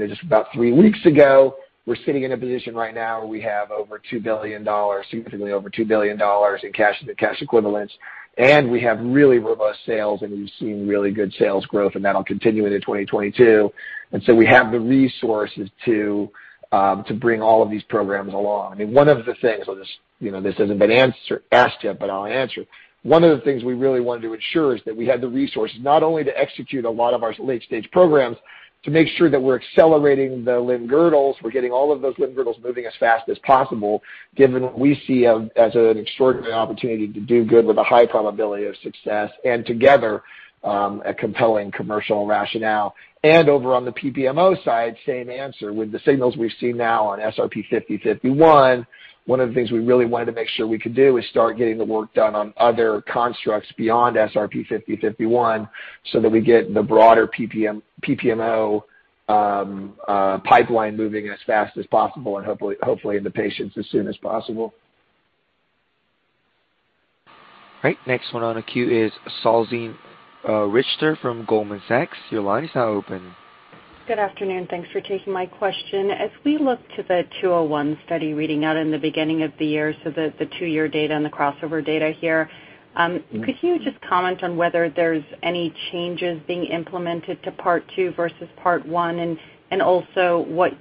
know, just about three weeks ago. We're sitting in a position right now where we have over $2 billion, significantly over $2 billion in cash and cash equivalents, and we have really robust sales, and we've seen really good sales growth, and that'll continue into 2022. We have the resources to to bring all of these programs along. I mean, one of the things, you know, this hasn't been asked yet, but I'll answer. One of the things we really wanted to ensure is that we had the resources not only to execute a lot of our late-stage programs, to make sure that we're accelerating the limb-girdles. We're getting all of those limb-girdles moving as fast as possible, given what we see as an extraordinary opportunity to do good with a high probability of success and together, a compelling commercial rationale. Over on the PPMO side, same answer. With the signals we see now on SRP-5051, one of the things we really wanted to make sure we could do is start getting the work done on other constructs beyond SRP-5051, so that we get the broader PPM, PPMO pipeline moving as fast as possible and hopefully in the patients as soon as possible.
Right. Next one on the queue is Salveen Richter from Goldman Sachs. Your line is now open.
Good afternoon. Thanks for taking my question. As we look to the 201 study reading out in the beginning of the year, the two-year data and the crossover data here, could you just comment on whether there's any changes being implemented to part two versus part one? Also what,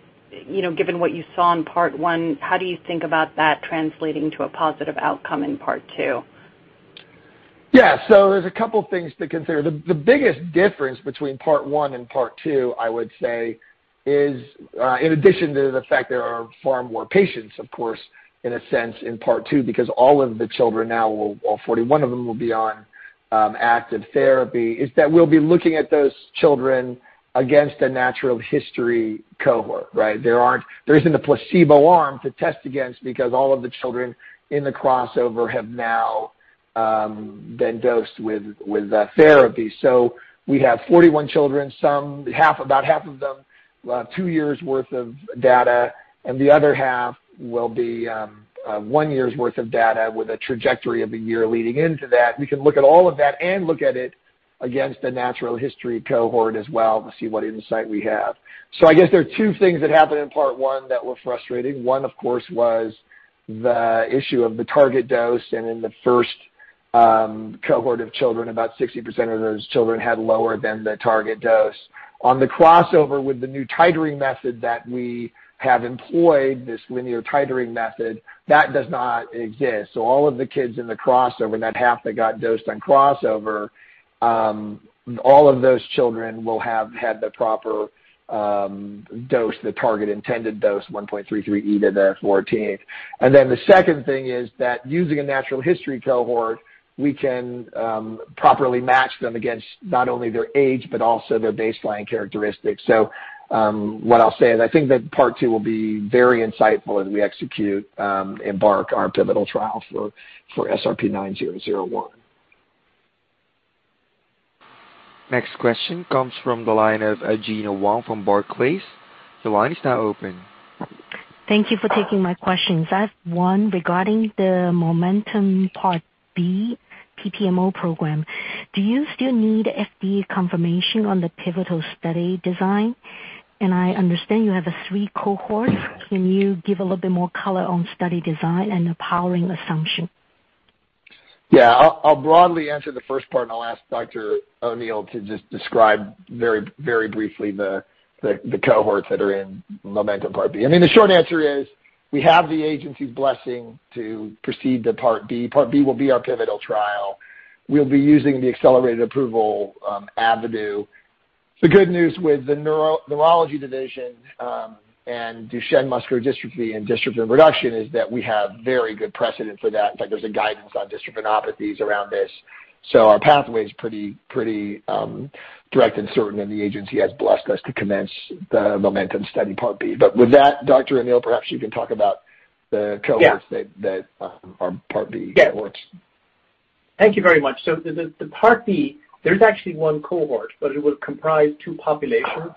you know, given what you saw in part one, how do you think about that translating to a positive outcome in part two?
Yeah. There's a couple of things to consider. The biggest difference between part one and part two, I would say, is in addition to the fact there are far more patients, of course, in a sense in part two, because all of the children now will all 41 of them will be on active therapy, is that we'll be looking at those children against a natural history cohort, right? There isn't a placebo arm to test against because all of the children in the crossover have now been dosed with a therapy. We have 41 children, about half of them two years' worth of data, and the other half will be one year's worth of data with a trajectory of one year leading into that. We can look at all of that and look at it against the natural history cohort as well to see what insight we have. I guess there are two things that happened in part one that were frustrating. One, of course, was the issue of the target dose. In the first cohort of children, about 60% of those children had lower than the target dose. On the crossover with the new titering method that we have employed, this linear titering method, that does not exist. All of the kids in the crossover, that half that got dosed on crossover, all of those children will have had the proper dose, the target intended dose, 1.33 × 10^14. The second thing is that using a natural history cohort, we can properly match them against not only their age but also their baseline characteristics. What I'll say is I think that part two will be very insightful as we execute EMBARK, our pivotal trial for SRP-9001.
Next question comes from the line of Gena Wang from Barclays. The line is now open.
Thank you for taking my questions. I have one regarding the MOMENTUM part B PPMO program. Do you still need FDA confirmation on the pivotal study design? I understand you have a three cohort. Can you give a little bit more color on study design and the powering assumption?
Yeah. I'll broadly answer the first part, and I'll ask Dr. O'Neill to just describe very, very briefly the cohorts that are in MOMENTUM part B. I mean, the short answer is we have the agency's blessing to proceed to part B. Part B will be our pivotal trial. We'll be using the accelerated approval avenue. The good news with the neurology division and Duchenne muscular dystrophy and dystrophin reduction is that we have very good precedent for that. In fact, there's a guidance on dystrophinopathies around this. So our pathway is pretty direct and certain, and the agency has blessed us to commence the MOMENTUM study part B. With that, Dr. O'Neill, perhaps you can talk about the cohorts.
Yeah.
That are part B cohorts.
Yeah. Thank you very much. The part B, there's actually one cohort, but it will comprise two populations,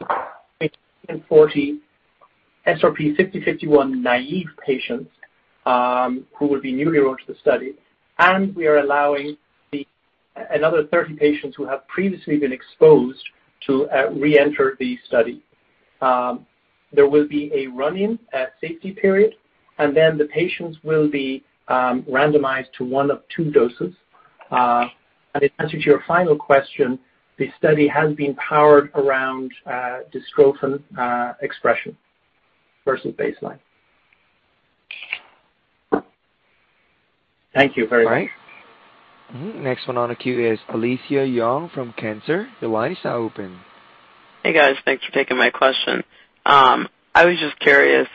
and 40 SRP-5051 naive patients who will be newly enrolled to the study. We are allowing another 30 patients who have previously been exposed to reenter the study. There will be a run-in safety period, and then the patients will be randomized to one of two doses. In answer to your final question, the study has been powered around dystrophin expression versus baseline. Thank you very much.
All right. Next one on the queue is Alethia Young from Cantor. The line is now open.
Hey, guys. Thanks for taking my question. I was just curious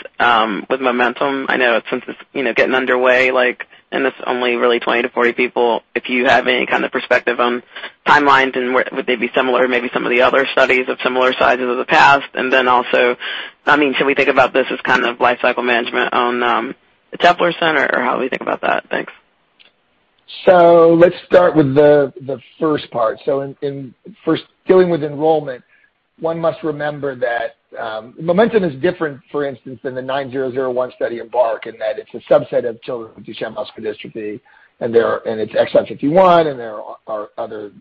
with MOMENTUM. I know since it's, you know, getting underway, like, and it's only really 20-40 people, if you have any kind of perspective on timelines and where would they be similar, maybe some of the other studies of similar sizes of the past. I mean, should we think about this as kind of life cycle management on eteplirsen, or how do we think about that? Thanks.
Let's start with the first part. In first dealing with enrollment, one must remember that MOMENTUM is different, for instance, than the SRP-9001 study EMBARK, in that it's a subset of children with Duchenne muscular dystrophy, and it's exon 51, and there are other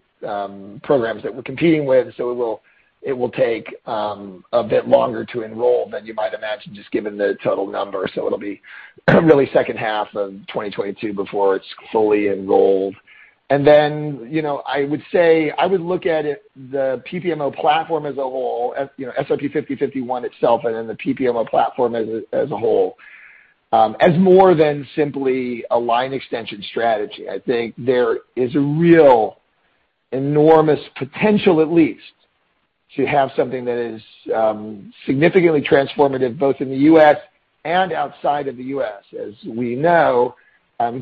programs that we're competing with. It will take a bit longer to enroll than you might imagine, just given the total numbers. It'll be really second half of 2022 before it's fully enrolled. Then, you know, I would say I would look at it, the PPMO platform as a whole, as, you know, SRP-5051 itself and then the PPMO platform as a whole, as more than simply a line extension strategy. I think there is a real enormous potential at least to have something that is significantly transformative both in the U.S. and outside of the U.S. As we know,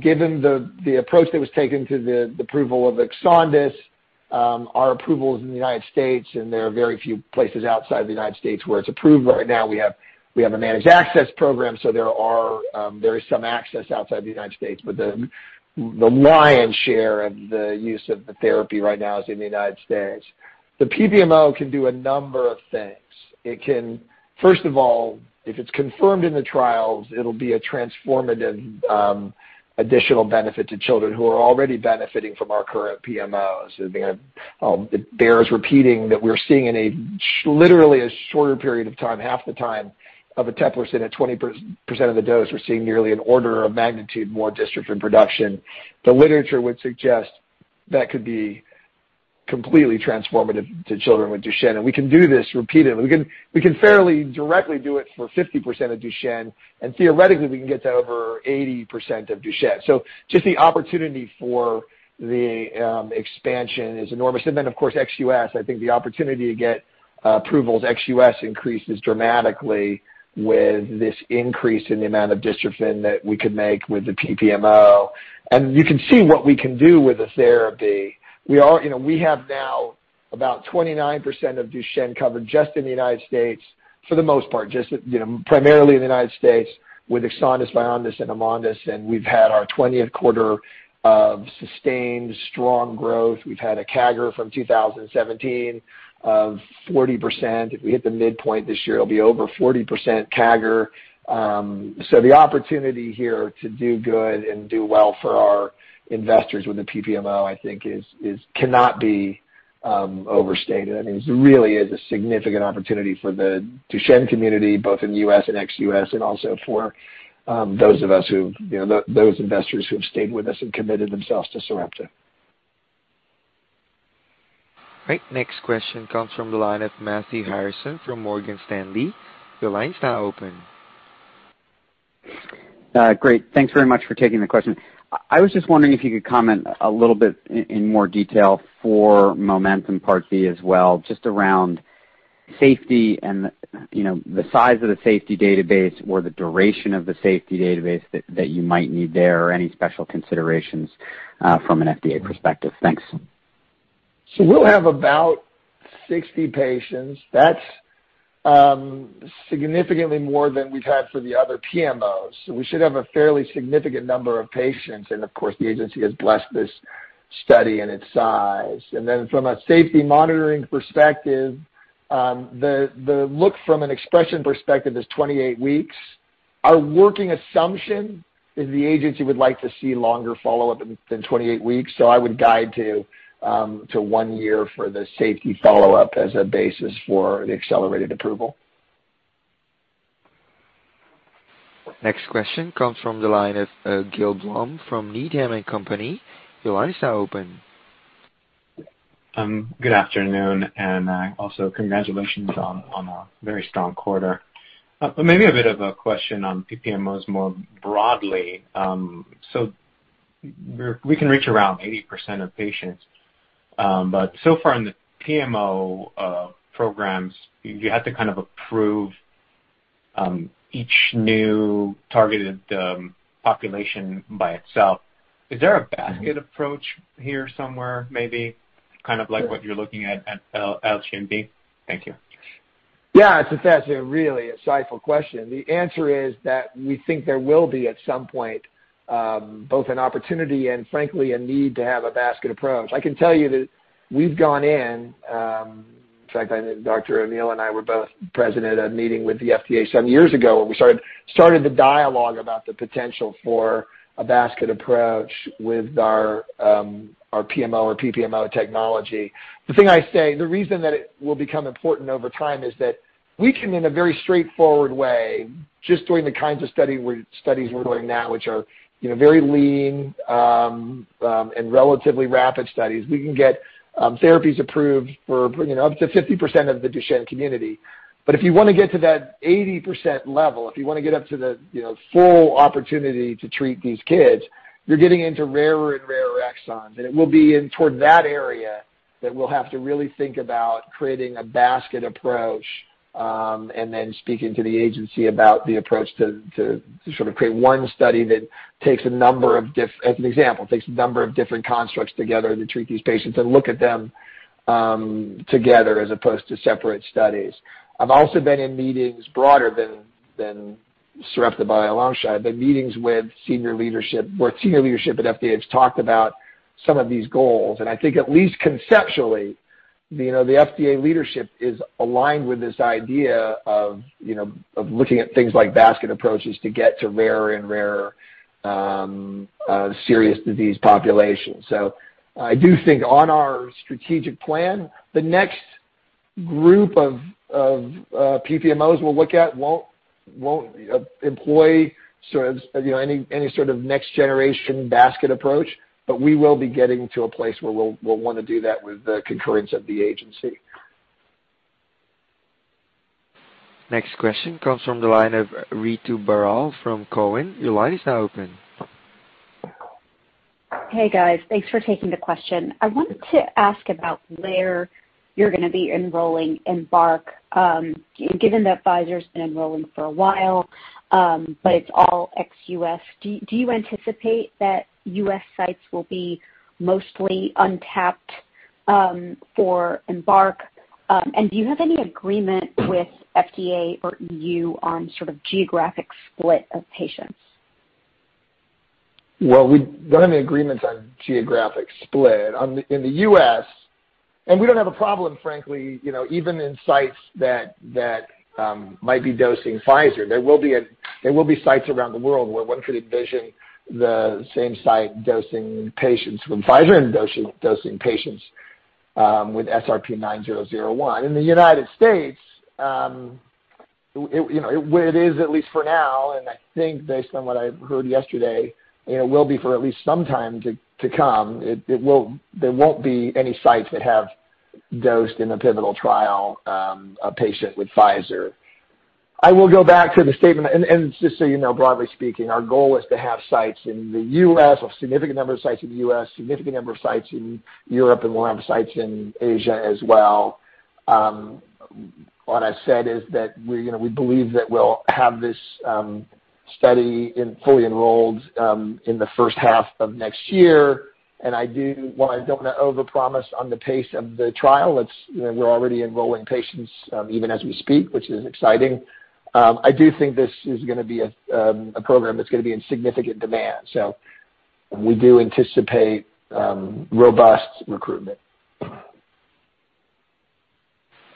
given the approach that was taken to the approval of EXONDYS, our approvals in the United States, and there are very few places outside of the United States where it's approved right now. We have a managed access program, so there is some access outside the United States. The lion's share of the use of the therapy right now is in the United States. The PPMO can do a number of things. First of all, if it's confirmed in the trials, it'll be a transformative additional benefit to children who are already benefiting from our current PMOs. It bears repeating that we're seeing in literally a shorter period of time, half the time of eteplirsen at 20% of the dose, we're seeing nearly an order of magnitude more dystrophin production. The literature would suggest that could be completely transformative to children with Duchenne, and we can do this repeatedly. We can fairly directly do it for 50% of Duchenne, and theoretically, we can get to over 80% of Duchenne. Just the opportunity for the expansion is enormous. Of course, ex-U.S., I think the opportunity to get approvals ex-U.S. increases dramatically with this increase in the amount of dystrophin that we could make with the PPMO. You can see what we can do with the therapy. We are, you know, we have now about 29% of Duchenne covered just in the Unites States, for the most part, just, you know, primarily in the United States, with EXONDYS, VYONDYS, and AMONDYS. We've had our 20th quarter of sustained strong growth. We've had a CAGR from 2017 of 40%. If we hit the midpoint this year, it'll be over 40% CAGR. So the opportunity here to do good and do well for our investors with the PPMO, I think is cannot be overstated. I mean, this really is a significant opportunity for the Duchenne community, both in the U.S. and ex-U.S., and also for those of us who, you know, those investors who have stayed with us and committed themselves to Sarepta.
All right. Next question comes from the line of Matthew Harrison from Morgan Stanley. Your line is now open.
Great. Thanks very much for taking the question. I was just wondering if you could comment a little bit in more detail for MOMENTUM part B as well, just around safety and, you know, the size of the safety database or the duration of the safety database that you might need there or any special considerations from an FDA perspective. Thanks.
We'll have about 60 patients. That's significantly more than we've had for the other PMOs. We should have a fairly significant number of patients. Of course, the agency has blessed this study and its size. From a safety monitoring perspective, the look from an expression perspective is 28 weeks. Our working assumption is the agency would like to see longer follow-up than 28 weeks. I would guide to one year for the safety follow-up as a basis for the accelerated approval.
Next question comes from the line of Gil Blum from Needham and Company. Your line is now open.
Good afternoon, and also congratulations on a very strong quarter. Maybe a bit of a question on PPMOs more broadly. So we can reach around 80% of patients. But so far in the PMO programs, you have to kind of approve each new targeted population by itself. Is there a basket approach here somewhere, maybe kind of like what you're looking at at LGMD? Thank you.
Yeah, it's a fascinating, really insightful question. The answer is that we think there will be at some point, both an opportunity and frankly a need to have a basket approach. I can tell you that we've gone in fact, I know Dr. O'Neill and I were both present at a meeting with the FDA some years ago, where we started the dialogue about the potential for a basket approach with our PMO or PPMO technology. The thing I say, the reason that it will become important over time is that we can, in a very straightforward way, just doing the kinds of studies we're doing now, which are, you know, very lean, and relatively rapid studies. We can get therapies approved for, you know, up to 50% of the Duchenne community. If you wanna get to that 80% level, if you wanna get up to the, you know, full opportunity to treat these kids, you're getting into rarer and rarer exons. It will be in toward that area that we'll have to really think about creating a basket approach, and then speaking to the agency about the approach to sort of create one study that takes a number of different constructs together to treat these patients and look at them together as opposed to separate studies. I've also been in meetings broader than Sarepta Therapeutics. I've been in meetings with senior leadership, where senior leadership at FDA have talked about some of these goals. I think at least conceptually, you know, the FDA leadership is aligned with this idea of, you know, of looking at things like basket approaches to get to rarer and rarer, serious disease population. I do think on our strategic plan, the next group of PPMOs we'll look at won't employ sort of, you know, any sort of next generation basket approach, but we will be getting to a place where we'll wanna do that with the concurrence of the agency.
Next question comes from the line of Ritu Baral from Cowen. Your line is now open.
Hey, guys. Thanks for taking the question. I wanted to ask about where you're gonna be enrolling EMBARK, given that Pfizer's been enrolling for a while, but it's all ex-U.S. Do you anticipate that U.S. sites will be mostly untapped for EMBARK? Do you have any agreement with FDA or E.U. on sort of geographic split of patients?
Well, we don't have any agreements on geographic split. In the U.S., we don't have a problem, frankly, you know, even in sites that might be dosing Pfizer. There will be sites around the world where one could envision the same site dosing patients from Pfizer and dosing patients with SRP-9001. In the United States, you know, where it is, at least for now, and I think based on what I heard yesterday, you know, will be for at least some time to come, it won't. There won't be any sites that have dosed in a pivotal trial a patient with Pfizer. I will go back to the statement, and just so you know, broadly speaking, our goal is to have sites in the U.S., a significant number of sites in the U.S., significant number of sites in Europe, and we'll have sites in Asia as well. What I said is that we're, you know, we believe that we'll have this study fully enrolled in the first half of next year. While I don't wanna overpromise on the pace of the trial, it's, you know, we're already enrolling patients even as we speak, which is exciting. I do think this is gonna be a program that's gonna be in significant demand, so we do anticipate robust recruitment.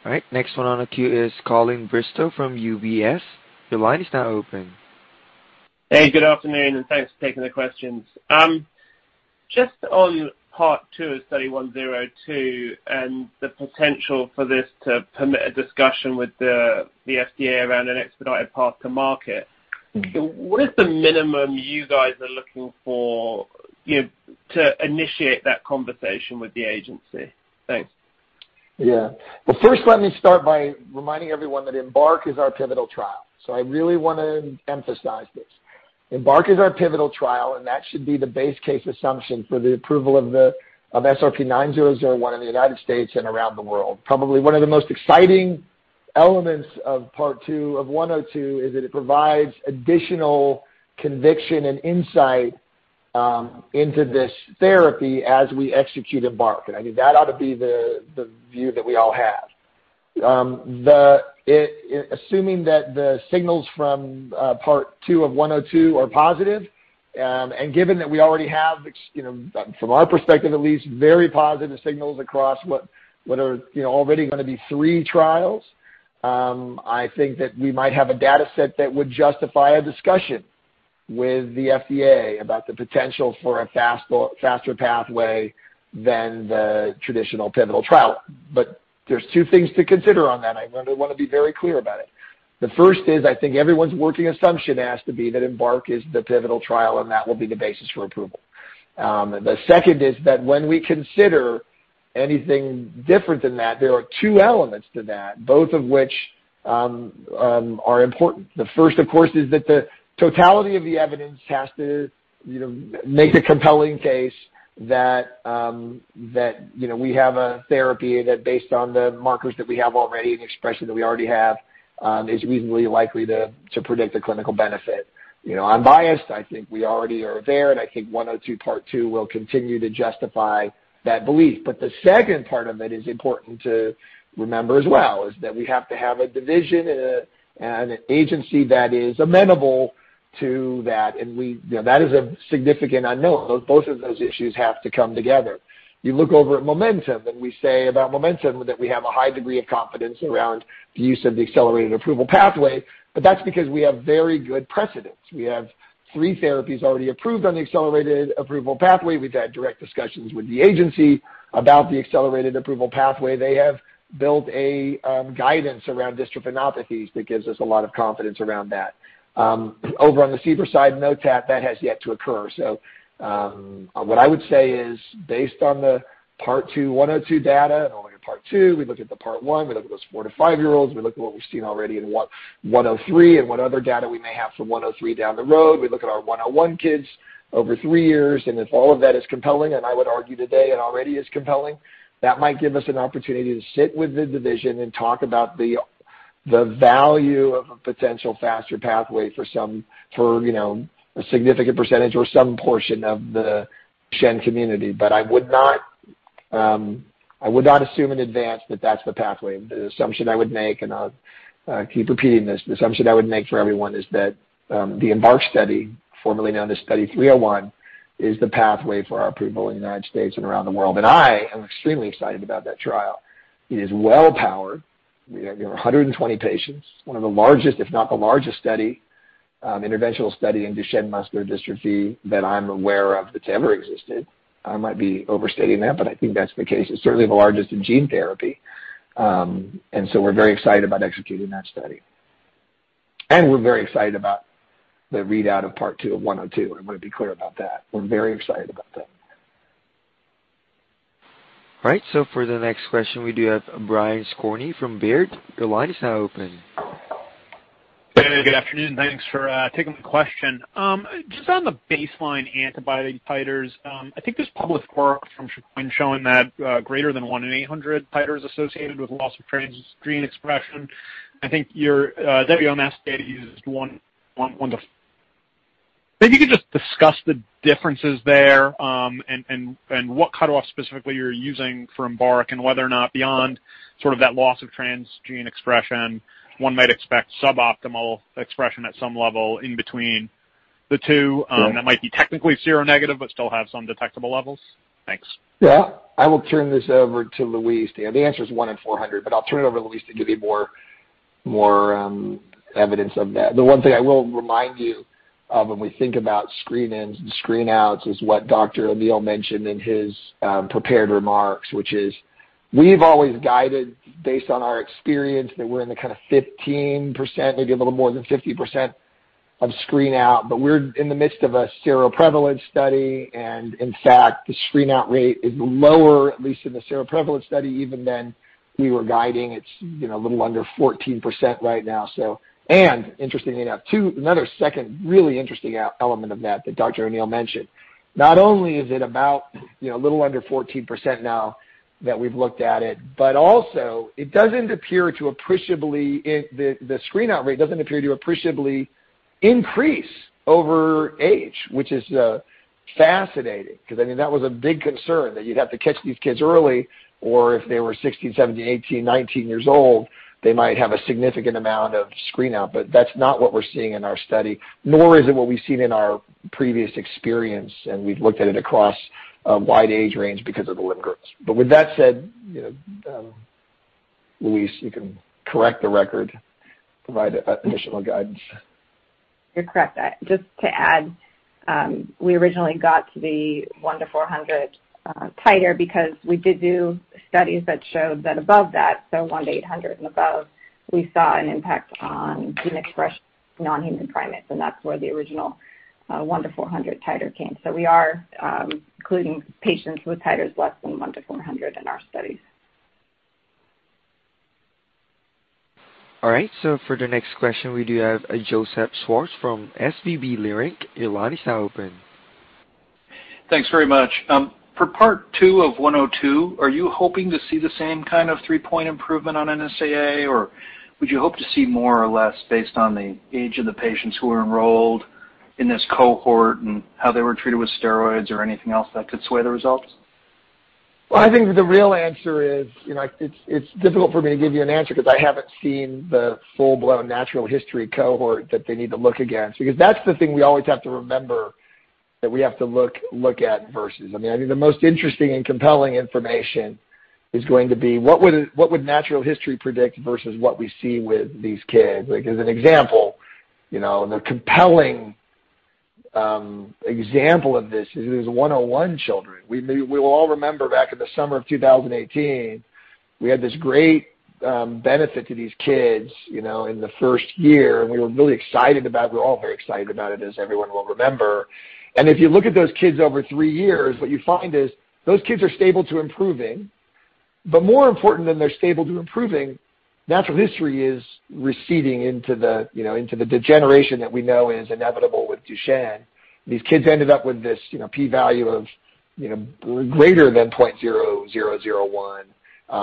All right, next one on the queue is Colin Bristow from UBS. Your line is now open.
Hey, good afternoon, and thanks for taking the questions. Just on part two of Study 102 and the potential for this to permit a discussion with the FDA around an expedited path to market.
Mm-hmm.
What is the minimum you guys are looking for, you know, to initiate that conversation with the agency? Thanks.
Yeah. Well, first, let me start by reminding everyone that EMBARK is our pivotal trial. I really wanna emphasize this. EMBARK is our pivotal trial, and that should be the base case assumption for the approval of the SRP-9001 in the United States and around the world. Probably one of the most exciting elements of part two of 102 is that it provides additional conviction and insight into this therapy as we execute EMBARK. I think that ought to be the view that we all have. Assuming that the signals from part two of 102 are positive, and given that we already have ex... You know, from our perspective at least, very positive signals across what are, you know, already gonna be three trials. I think that we might have a dataset that would justify a discussion with the FDA about the potential for a faster pathway than the traditional pivotal trial. There's two things to consider on that, and I wanna be very clear about it. The first is, I think everyone's working assumption has to be that EMBARK is the pivotal trial, and that will be the basis for approval. The second is that when we consider anything different than that, there are two elements to that, both of which are important. The first, of course, is that the totality of the evidence has to, you know, make a compelling case that, you know, we have a therapy that based on the markers that we have already and expression that we already have, is reasonably likely to predict a clinical benefit. You know, I'm biased. I think we already are there, and I think 102, part two will continue to justify that belief. The second part of it is important to remember as well, is that we have to have a division and an agency that is amenable to that, and we have to have a division and an agency that is amenable to that. You know, that is a significant unknown. Both of those issues have to come together. You look over at MOMENTUM, and we say about MOMENTUM that we have a high degree of confidence around the use of the accelerated approval pathway, but that's because we have very good precedents. We have three therapies already approved on the accelerated approval pathway. We've had direct discussions with the agency about the accelerated approval pathway. They have built a guidance around dystrophinopathies that gives us a lot of confidence around that. Over on the CBER side, OTAT, that has yet to occur. What I would say is, based on the part two 102 data, and only part two, we look at the part one, we look at those four- to five-year-olds, we look at what we've seen already in one, 103 and what other data we may have for 103 down the road. We look at our 101 kids over three years, and if all of that is compelling, and I would argue today it already is compelling, that might give us an opportunity to sit with the division and talk about the value of a potential faster pathway for some, you know, a significant percentage or some portion of the DMD community. I would not assume in advance that that's the pathway. The assumption I would make, and I'll keep repeating this, the assumption I would make for everyone is that the EMBARK study, formerly known as Study 301, is the pathway for our approval in the United States and around the world. I am extremely excited about that trial. It is well powered. We have 120 patients, one of the largest, if not the largest study, interventional study in Duchenne muscular dystrophy that I'm aware of that's ever existed. I might be overstating that, but I think that's the case. It's certainly the largest in gene therapy. We're very excited about executing that study. We're very excited about the readout of part two of 102. I want to be clear about that. We're very excited about that.
All right, for the next question, we do have Brian Skorney from Baird. Your line is now open.
Good afternoon. Thanks for taking my question. Just on the baseline antibody titers, I think there's published work and showing that greater than one in 800 titer is associated with loss of transgene expression. I think your WMS data uses one to. If you could just discuss the differences there, and what cutoff specifically you're using for EMBARK and whether or not beyond sort of that loss of transgene expression, one might expect suboptimal expression at some level in between the two.
Sure.
That might be technically zero negative, but still have some detectable levels. Thanks.
Yeah. I will turn this over to Louise. The answer is one in 400, but I'll turn it over to Louise to give you more evidence of that. The one thing I will remind you of when we think about screen-ins and screen-outs is what Dr. O'Neill mentioned in his prepared remarks, which is we've always guided based on our experience that we're in the kind of 15%, maybe a little more than 50% of screen out, but we're in the midst of a seroprevalence study. In fact, the screen out rate is lower, at least in the seroprevalence study, even than we were guiding. It's, you know, a little under 14% right now. Interestingly enough, two another really interesting element of that that Dr. O'Neill mentioned, not only is it about, you know, a little under 14% now that we've looked at it, but also it doesn't appear to appreciably increase the screen out rate doesn't appear to appreciably increase over age, which is fascinating because, I mean, that was a big concern that you'd have to catch these kids early, or if they were 16, 17, 18, 19 years old, they might have a significant amount of screen out. That's not what we're seeing in our study, nor is it what we've seen in our previous experience, and we've looked at it across a wide age range because of the limb-girdles. With that said, you know, Louise, you can correct the record, provide additional guidance.
You're correct. Just to add, we originally got to the one to 400 titer because we did do studies that showed that above that, so one to 800 and above, we saw an impact on gene expression in non-human primates, and that's where the original one to 400 titer came. We are including patients with titers less than one to 400 in our studies.
All right, for the next question, we do have Joseph Schwartz from SVB Leerink. Your line is now open.
Thanks very much. For part two of 102, are you hoping to see the same kind of three-point improvement on NSAA, or would you hope to see more or less based on the age of the patients who are enrolled in this cohort and how they were treated with steroids or anything else that could sway the results?
Well, I think the real answer is, you know, it's difficult for me to give you an answer because I haven't seen the full-blown natural history cohort that they need to look against. That's the thing we always have to remember that we have to look at versus. I mean, I think the most interesting and compelling information is going to be what would natural history predict versus what we see with these kids. Like, as an example, you know, the compelling example of this is 101 children. We will all remember back in the summer of 2018, we had this great benefit to these kids, you know, in the first year, and we were really excited about it. We're all very excited about it, as everyone will remember. If you look at those kids over three years, what you find is those kids are stable to improving. More important than they're stable to improving, natural history is receding into the, you know, into the degeneration that we know is inevitable with Duchenne. These kids ended up with this, you know, p-value of greater than 0.0001,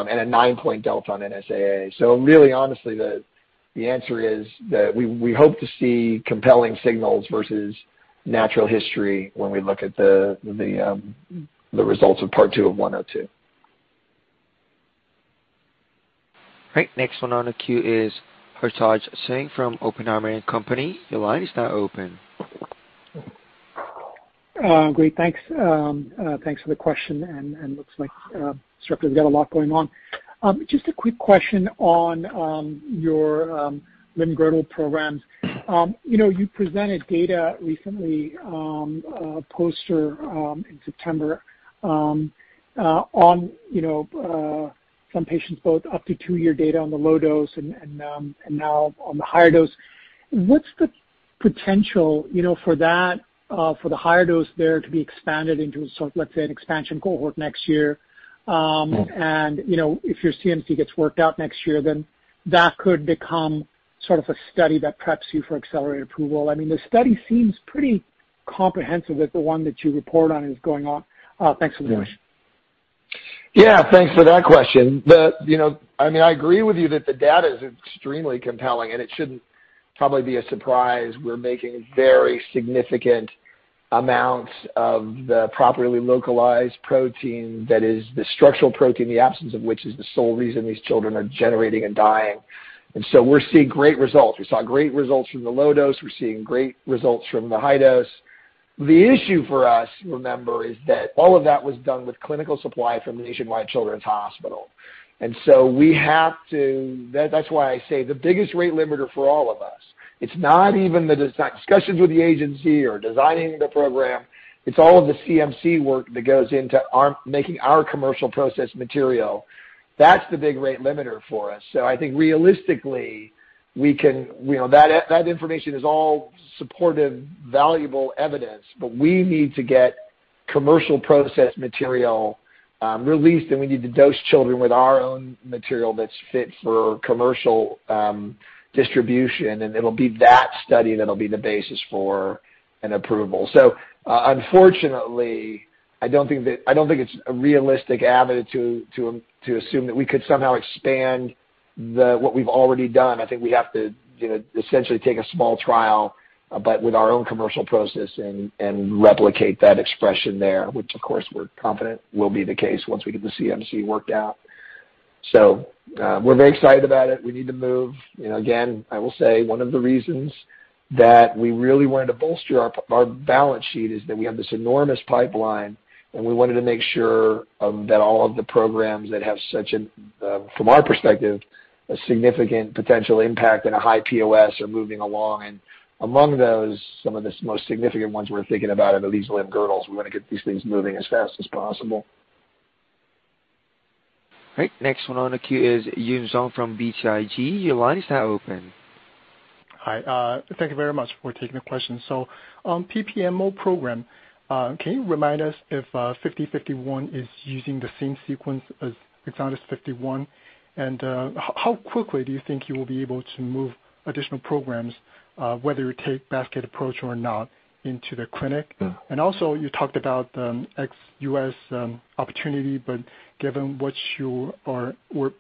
and a nine-point delta on NSAA. Really, honestly, the answer is that we hope to see compelling signals versus natural history when we look at the results of part two of 102.
Great. Next one on the queue is Hartaj Singh from Oppenheimer and Co. Your line is now open.
Great. Thanks. Thanks for the question. Looks like Sarepta's got a lot going on. Just a quick question on your limb-girdle programs. You know, you presented data recently, a poster in September on some patients both up to two-year data on the low dose and now on the higher dose. What's the potential, you know, for that for the higher dose there to be expanded into, let's say, an expansion cohort next year? You know, if your CMC gets worked out next year, then that could become sort of a study that preps you for accelerated approval. I mean, the study seems pretty comprehensive with the one that you report on is going on. Thanks so much.
Yeah. Yeah, thanks for that question. The, you know, I mean, I agree with you that the data is extremely compelling, and it shouldn't probably be a surprise. We're making very significant amounts of the properly localized protein, that is the structural protein, the absence of which is the sole reason these children are degenerating and dying. We're seeing great results. We saw great results from the low dose. We're seeing great results from the high dose. The issue for us, remember, is that all of that was done with clinical supply from Nationwide Children's Hospital. That's why I say the biggest rate limiter for all of us, it's not even the discussions with the agency or designing the program. It's all of the CMC work that goes into our, making our commercial process material. That's the big rate limiter for us. I think realistically, we can, you know, that information is all supportive, valuable evidence, but we need to get commercial process material released, and we need to dose children with our own material that's fit for commercial distribution. It'll be that study that'll be the basis for an approval. Unfortunately, I don't think it's a realistic avenue to assume that we could somehow expand what we've already done. I think we have to, you know, essentially take a small trial, but with our own commercial process and replicate that expression there, which of course we're confident will be the case once we get the CMC worked out. We're very excited about it. We need to move. You know, again, I will say one of the reasons that we really wanted to bolster our balance sheet is that we have this enormous pipeline, and we wanted to make sure that all of the programs that have such a from our perspective, a significant potential impact and a high POS are moving along. Among those, some of the most significant ones we're thinking about are the limb-girdles. We wanna get these things moving as fast as possible.
All right, next one on the queue is Yun Zhong from BTIG. Your line is now open.
Hi. Thank you very much for taking the question. On PPMO program, can you remind us if SRP-5051 is using the same sequence as EXONDYS 51? How quickly do you think you will be able to move additional programs, whether you take basket approach or not into the clinic?
Yeah.
You talked about ex-U.S. opportunity, but given what your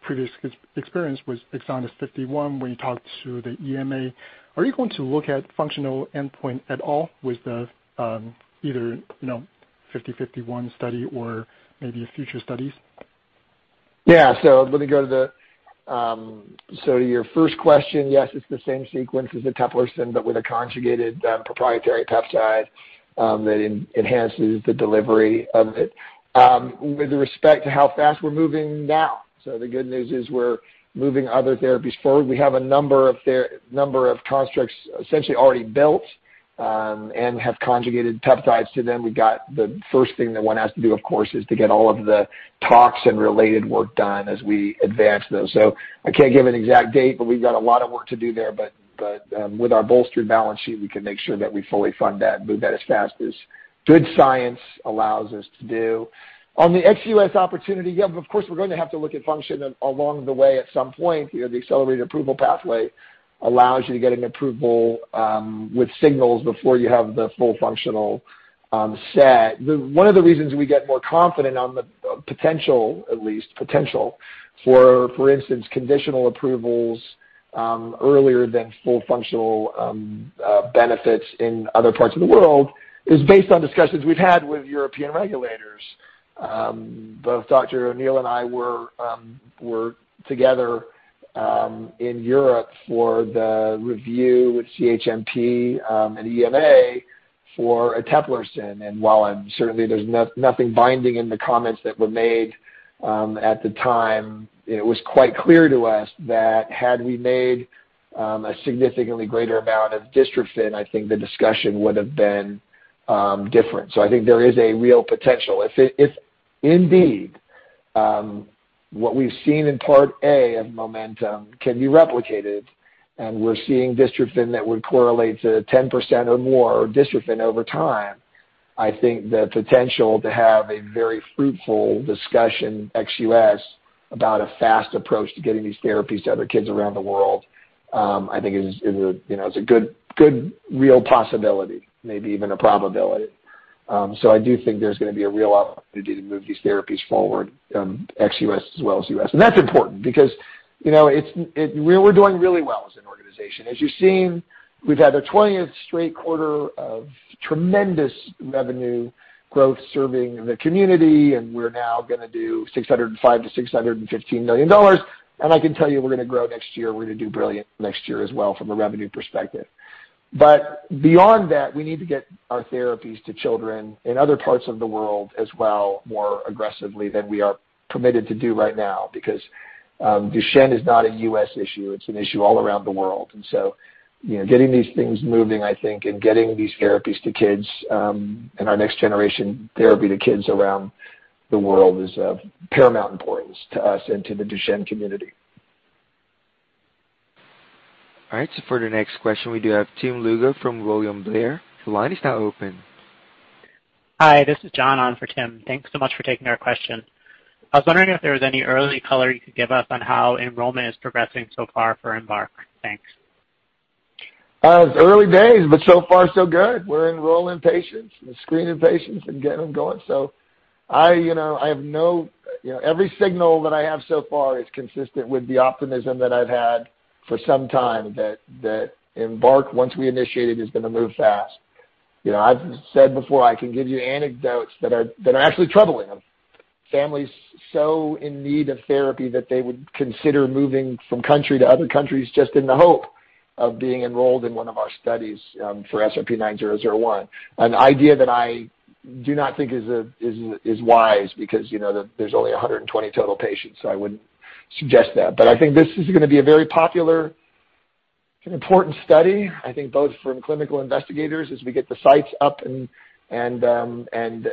previous experience with EXONDYS 51, when you talked to the EMA, are you going to look at functional endpoint at all with the either you know SRP-5051 study or maybe future studies?
Let me go to your first question, yes, it's the same sequence as eteplirsen, but with a conjugated, proprietary peptide that enhances the delivery of it. With respect to how fast we're moving now. The good news is we're moving other therapies forward. We have a number of constructs essentially already built and have conjugated peptides to them. We've got the first thing that one has to do, of course, is to get all of the tox and related work done as we advance those. I can't give an exact date, but we've got a lot of work to do there. With our bolstered balance sheet, we can make sure that we fully fund that and move that as fast as good science allows us to do. On the ex-US opportunity, yeah, of course, we're going to have to look at function along the way at some point. You know, the accelerated approval pathway allows you to get an approval with signals before you have the full functional set. One of the reasons we get more confident on the potential, at least, for instance, conditional approvals earlier than full functional benefits in other parts of the world is based on discussions we've had with European regulators. Both Dr. O'Neill and I were together in Europe for the review with CHMP and EMA for eteplirsen. While certainly there's nothing binding in the comments that were made, at the time, it was quite clear to us that had we made a significantly greater amount of dystrophin, I think the discussion would have been different. I think there is a real potential. If indeed what we've seen in part A of MOMENTUM can be replicated, and we're seeing dystrophin that would correlate to 10% or more dystrophin over time, I think the potential to have a very fruitful discussion ex-U.S. about a fast approach to getting these therapies to other kids around the world, I think is, you know, a good real possibility, maybe even a probability. I do think there's gonna be a real opportunity to move these therapies forward, ex-U.S. as well as U.S. That's important because, you know, it's. We're doing really well as an organization. As you've seen, we've had the 20th straight quarter of tremendous revenue growth serving the community, and we're now gonna do $605 million-$615 million. I can tell you, we're gonna grow next year. We're gonna do brilliant next year as well from a revenue perspective. Beyond that, we need to get our therapies to children in other parts of the world as well, more aggressively than we are permitted to do right now. Duchenne is not a U.S. issue, it's an issue all around the world. You know, getting these things moving, I think, and getting these therapies to kids, and our next generation therapy to kids around the world is of paramount importance to us and to the Duchenne community.
All right, for the next question, we do have Tim Lugo from William Blair. The line is now open.
Hi, this is John on for Tim. Thanks so much for taking our question. I was wondering if there was any early color you could give us on how enrollment is progressing so far for EMBARK. Thanks.
It's early days, but so far so good. We're enrolling patients and screening patients and getting them going. I have no... You know, every signal that I have so far is consistent with the optimism that I've had for some time that EMBARK, once we initiate it, is gonna move fast. You know, I've said before, I can give you anecdotes that are actually troubling. Families so in need of therapy that they would consider moving from country to other countries just in the hope of being enrolled in one of our studies for SRP-9001. An idea that I do not think is wise because, you know, there's only 120 total patients. I wouldn't suggest that. I think this is gonna be a very popular and important study. I think both from clinical investigators as we get the sites up and engaged.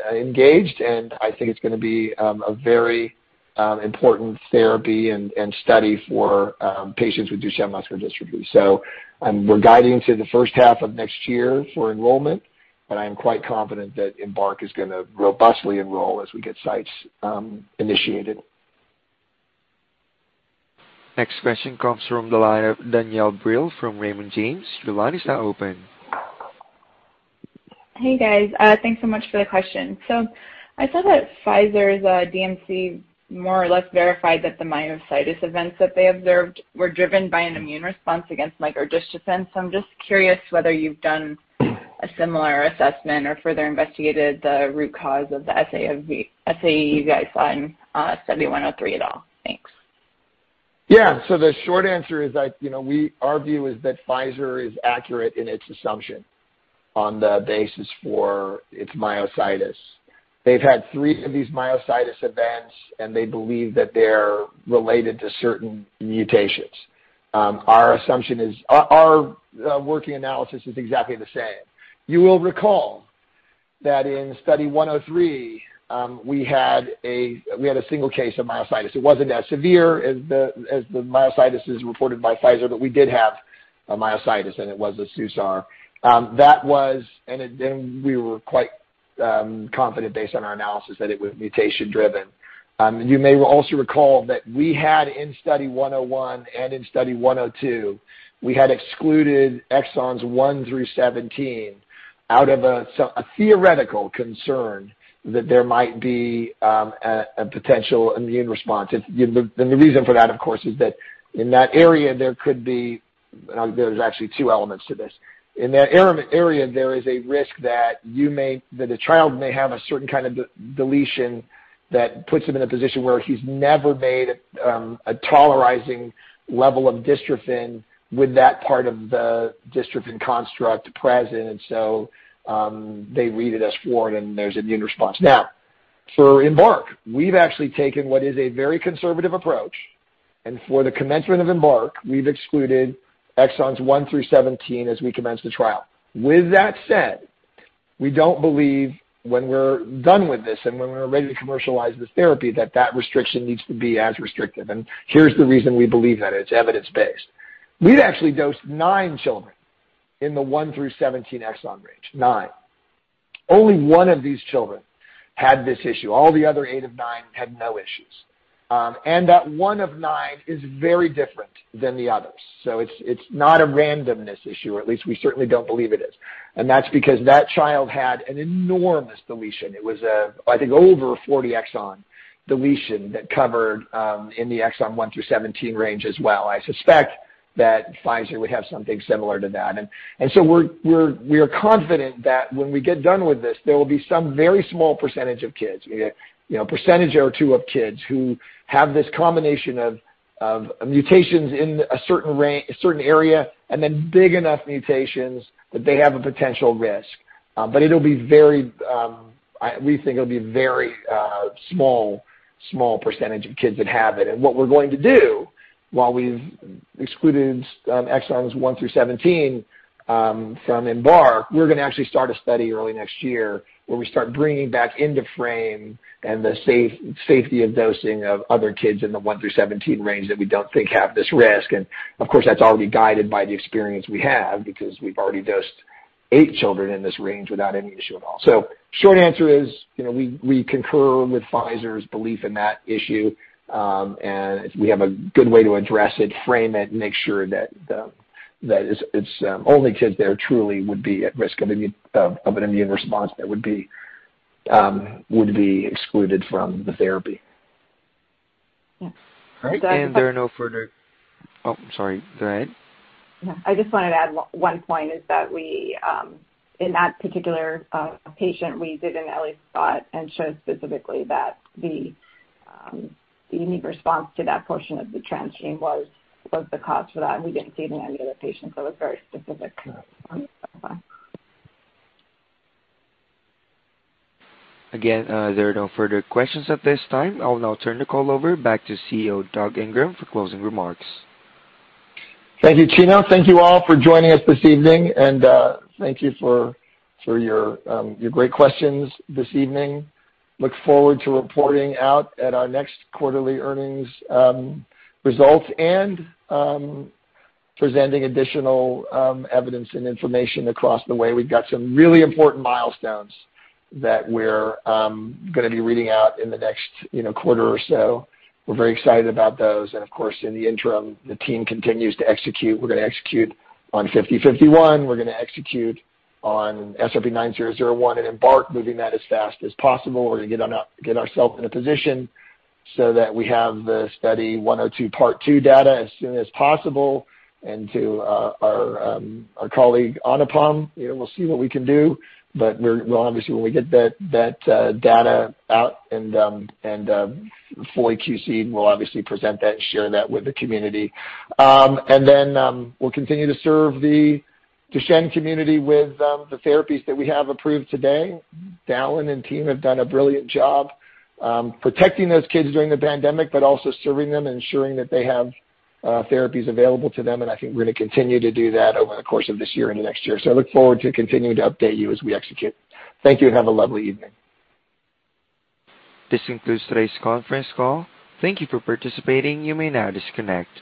I think it's gonna be a very important therapy and study for patients with Duchenne muscular dystrophy. We're guiding to the first half of next year for enrollment, but I am quite confident that EMBARK is gonna robustly enroll as we get sites initiated.
Next question comes from the line of Danielle Brill from Raymond James. The line is now open.
Hey, guys. Thanks so much for the question. I saw that Pfizer's DMC more or less verified that the myositis events that they observed were driven by an immune response against micro-dystrophin. I'm just curious whether you've done a similar assessment or further investigated the root cause of the SAE you guys saw in Study 103 at all. Thanks.
Yeah. The short answer is that, you know, our view is that Pfizer is accurate in its assumption on the basis for its myositis. They've had three of these myositis events, and they believe that they're related to certain mutations. Our assumption is our working analysis is exactly the same. You will recall that in Study 103, we had a single case of myositis. It wasn't as severe as the myositis reported by Pfizer, but we did have a myositis, and it was a SUSAR. We were quite confident based on our analysis that it was mutation driven. You may also recall that we had in Study 101 and in Study 102, we had excluded exons one through 17 out of a sort of a theoretical concern that there might be a potential immune response. The reason for that, of course, is that in that area, there could be two elements to this. In that area, there is a risk that a child may have a certain kind of deletion that puts him in a position where he's never made a tolerizing level of dystrophin with that part of the dystrophin construct present. They read it as foreign, and there's immune response. Now, for EMBARK, we've actually taken what is a very conservative approach, and for the commencement of EMBARK, we've excluded exons one through 17 as we commence the trial. With that said, we don't believe when we're done with this and when we're ready to commercialize this therapy that that restriction needs to be as restrictive. Here's the reason we believe that it's evidence-based. We've actually dosed nine children in the one through 17 exon range. Nine. Only one of these children had this issue. All the other eight of nine had no issues. And that one of nine is very different than the others. It's not a randomness issue, or at least we certainly don't believe it is. That's because that child had an enormous deletion. It was a, I think, over 40 exon deletion that covered in the exon one through 17 range as well. I suspect that Pfizer would have something similar to that. We're confident that when we get done with this, there will be some very small percentage of kids. You know, a percentage or two of kids who have this combination of mutations in a certain area and then big enough mutations that they have a potential risk. But it'll be very. We think it'll be very small percentage of kids that have it. What we're going to do while we've excluded exons one through 17 from EMBARK, we're gonna actually start a study early next year, where we start bringing back into frame and the safety of dosing of other kids in the one through 17 range that we don't think have this risk. Of course, that's already guided by the experience we have because we've already dosed eight children in this range without any issue at all. Short answer is, you know, we concur with Pfizer's belief in that issue, and we have a good way to address it, frame it, make sure that it's only kids there truly would be at risk of an immune response that would be excluded from the therapy.
Yes.
All right. Oh, sorry. Go ahead.
Yeah. I just wanted to add one point is that we, in that particular patient, we did an ELISpot and showed specifically that the immune response to that portion of the transgene was the cause for that, and we didn't see it in any other patients, so it was very specific.
Again, there are no further questions at this time. I'll now turn the call over back to CEO Doug Ingram for closing remarks.
Thank you, Chino. Thank you all for joining us this evening, and thank you for your great questions this evening. We look forward to reporting out at our next quarterly earnings results and presenting additional evidence and information across the way. We've got some really important milestones that we're gonna be reading out in the next, you know, quarter or so. We're very excited about those. Of course, in the interim, the team continues to execute. We're gonna execute on SRP-5051. We're gonna execute on SRP-9001 and EMBARK, moving that as fast as possible. We're gonna get ourselves in a position so that we have the Study 102 part two data as soon as possible. To our colleague, Anupam, you know, we'll see what we can do. Obviously, when we get that data out and fully QC'd, we'll obviously present that and share that with the community. We'll continue to serve the Duchenne community with the therapies that we have approved today. Dallin and team have done a brilliant job protecting those kids during the pandemic, but also serving them and ensuring that they have therapies available to them, and I think we're gonna continue to do that over the course of this year and the next year. I look forward to continuing to update you as we execute. Thank you, and have a lovely evening.
This concludes today's conference call. Thank you for participating. You may now disconnect.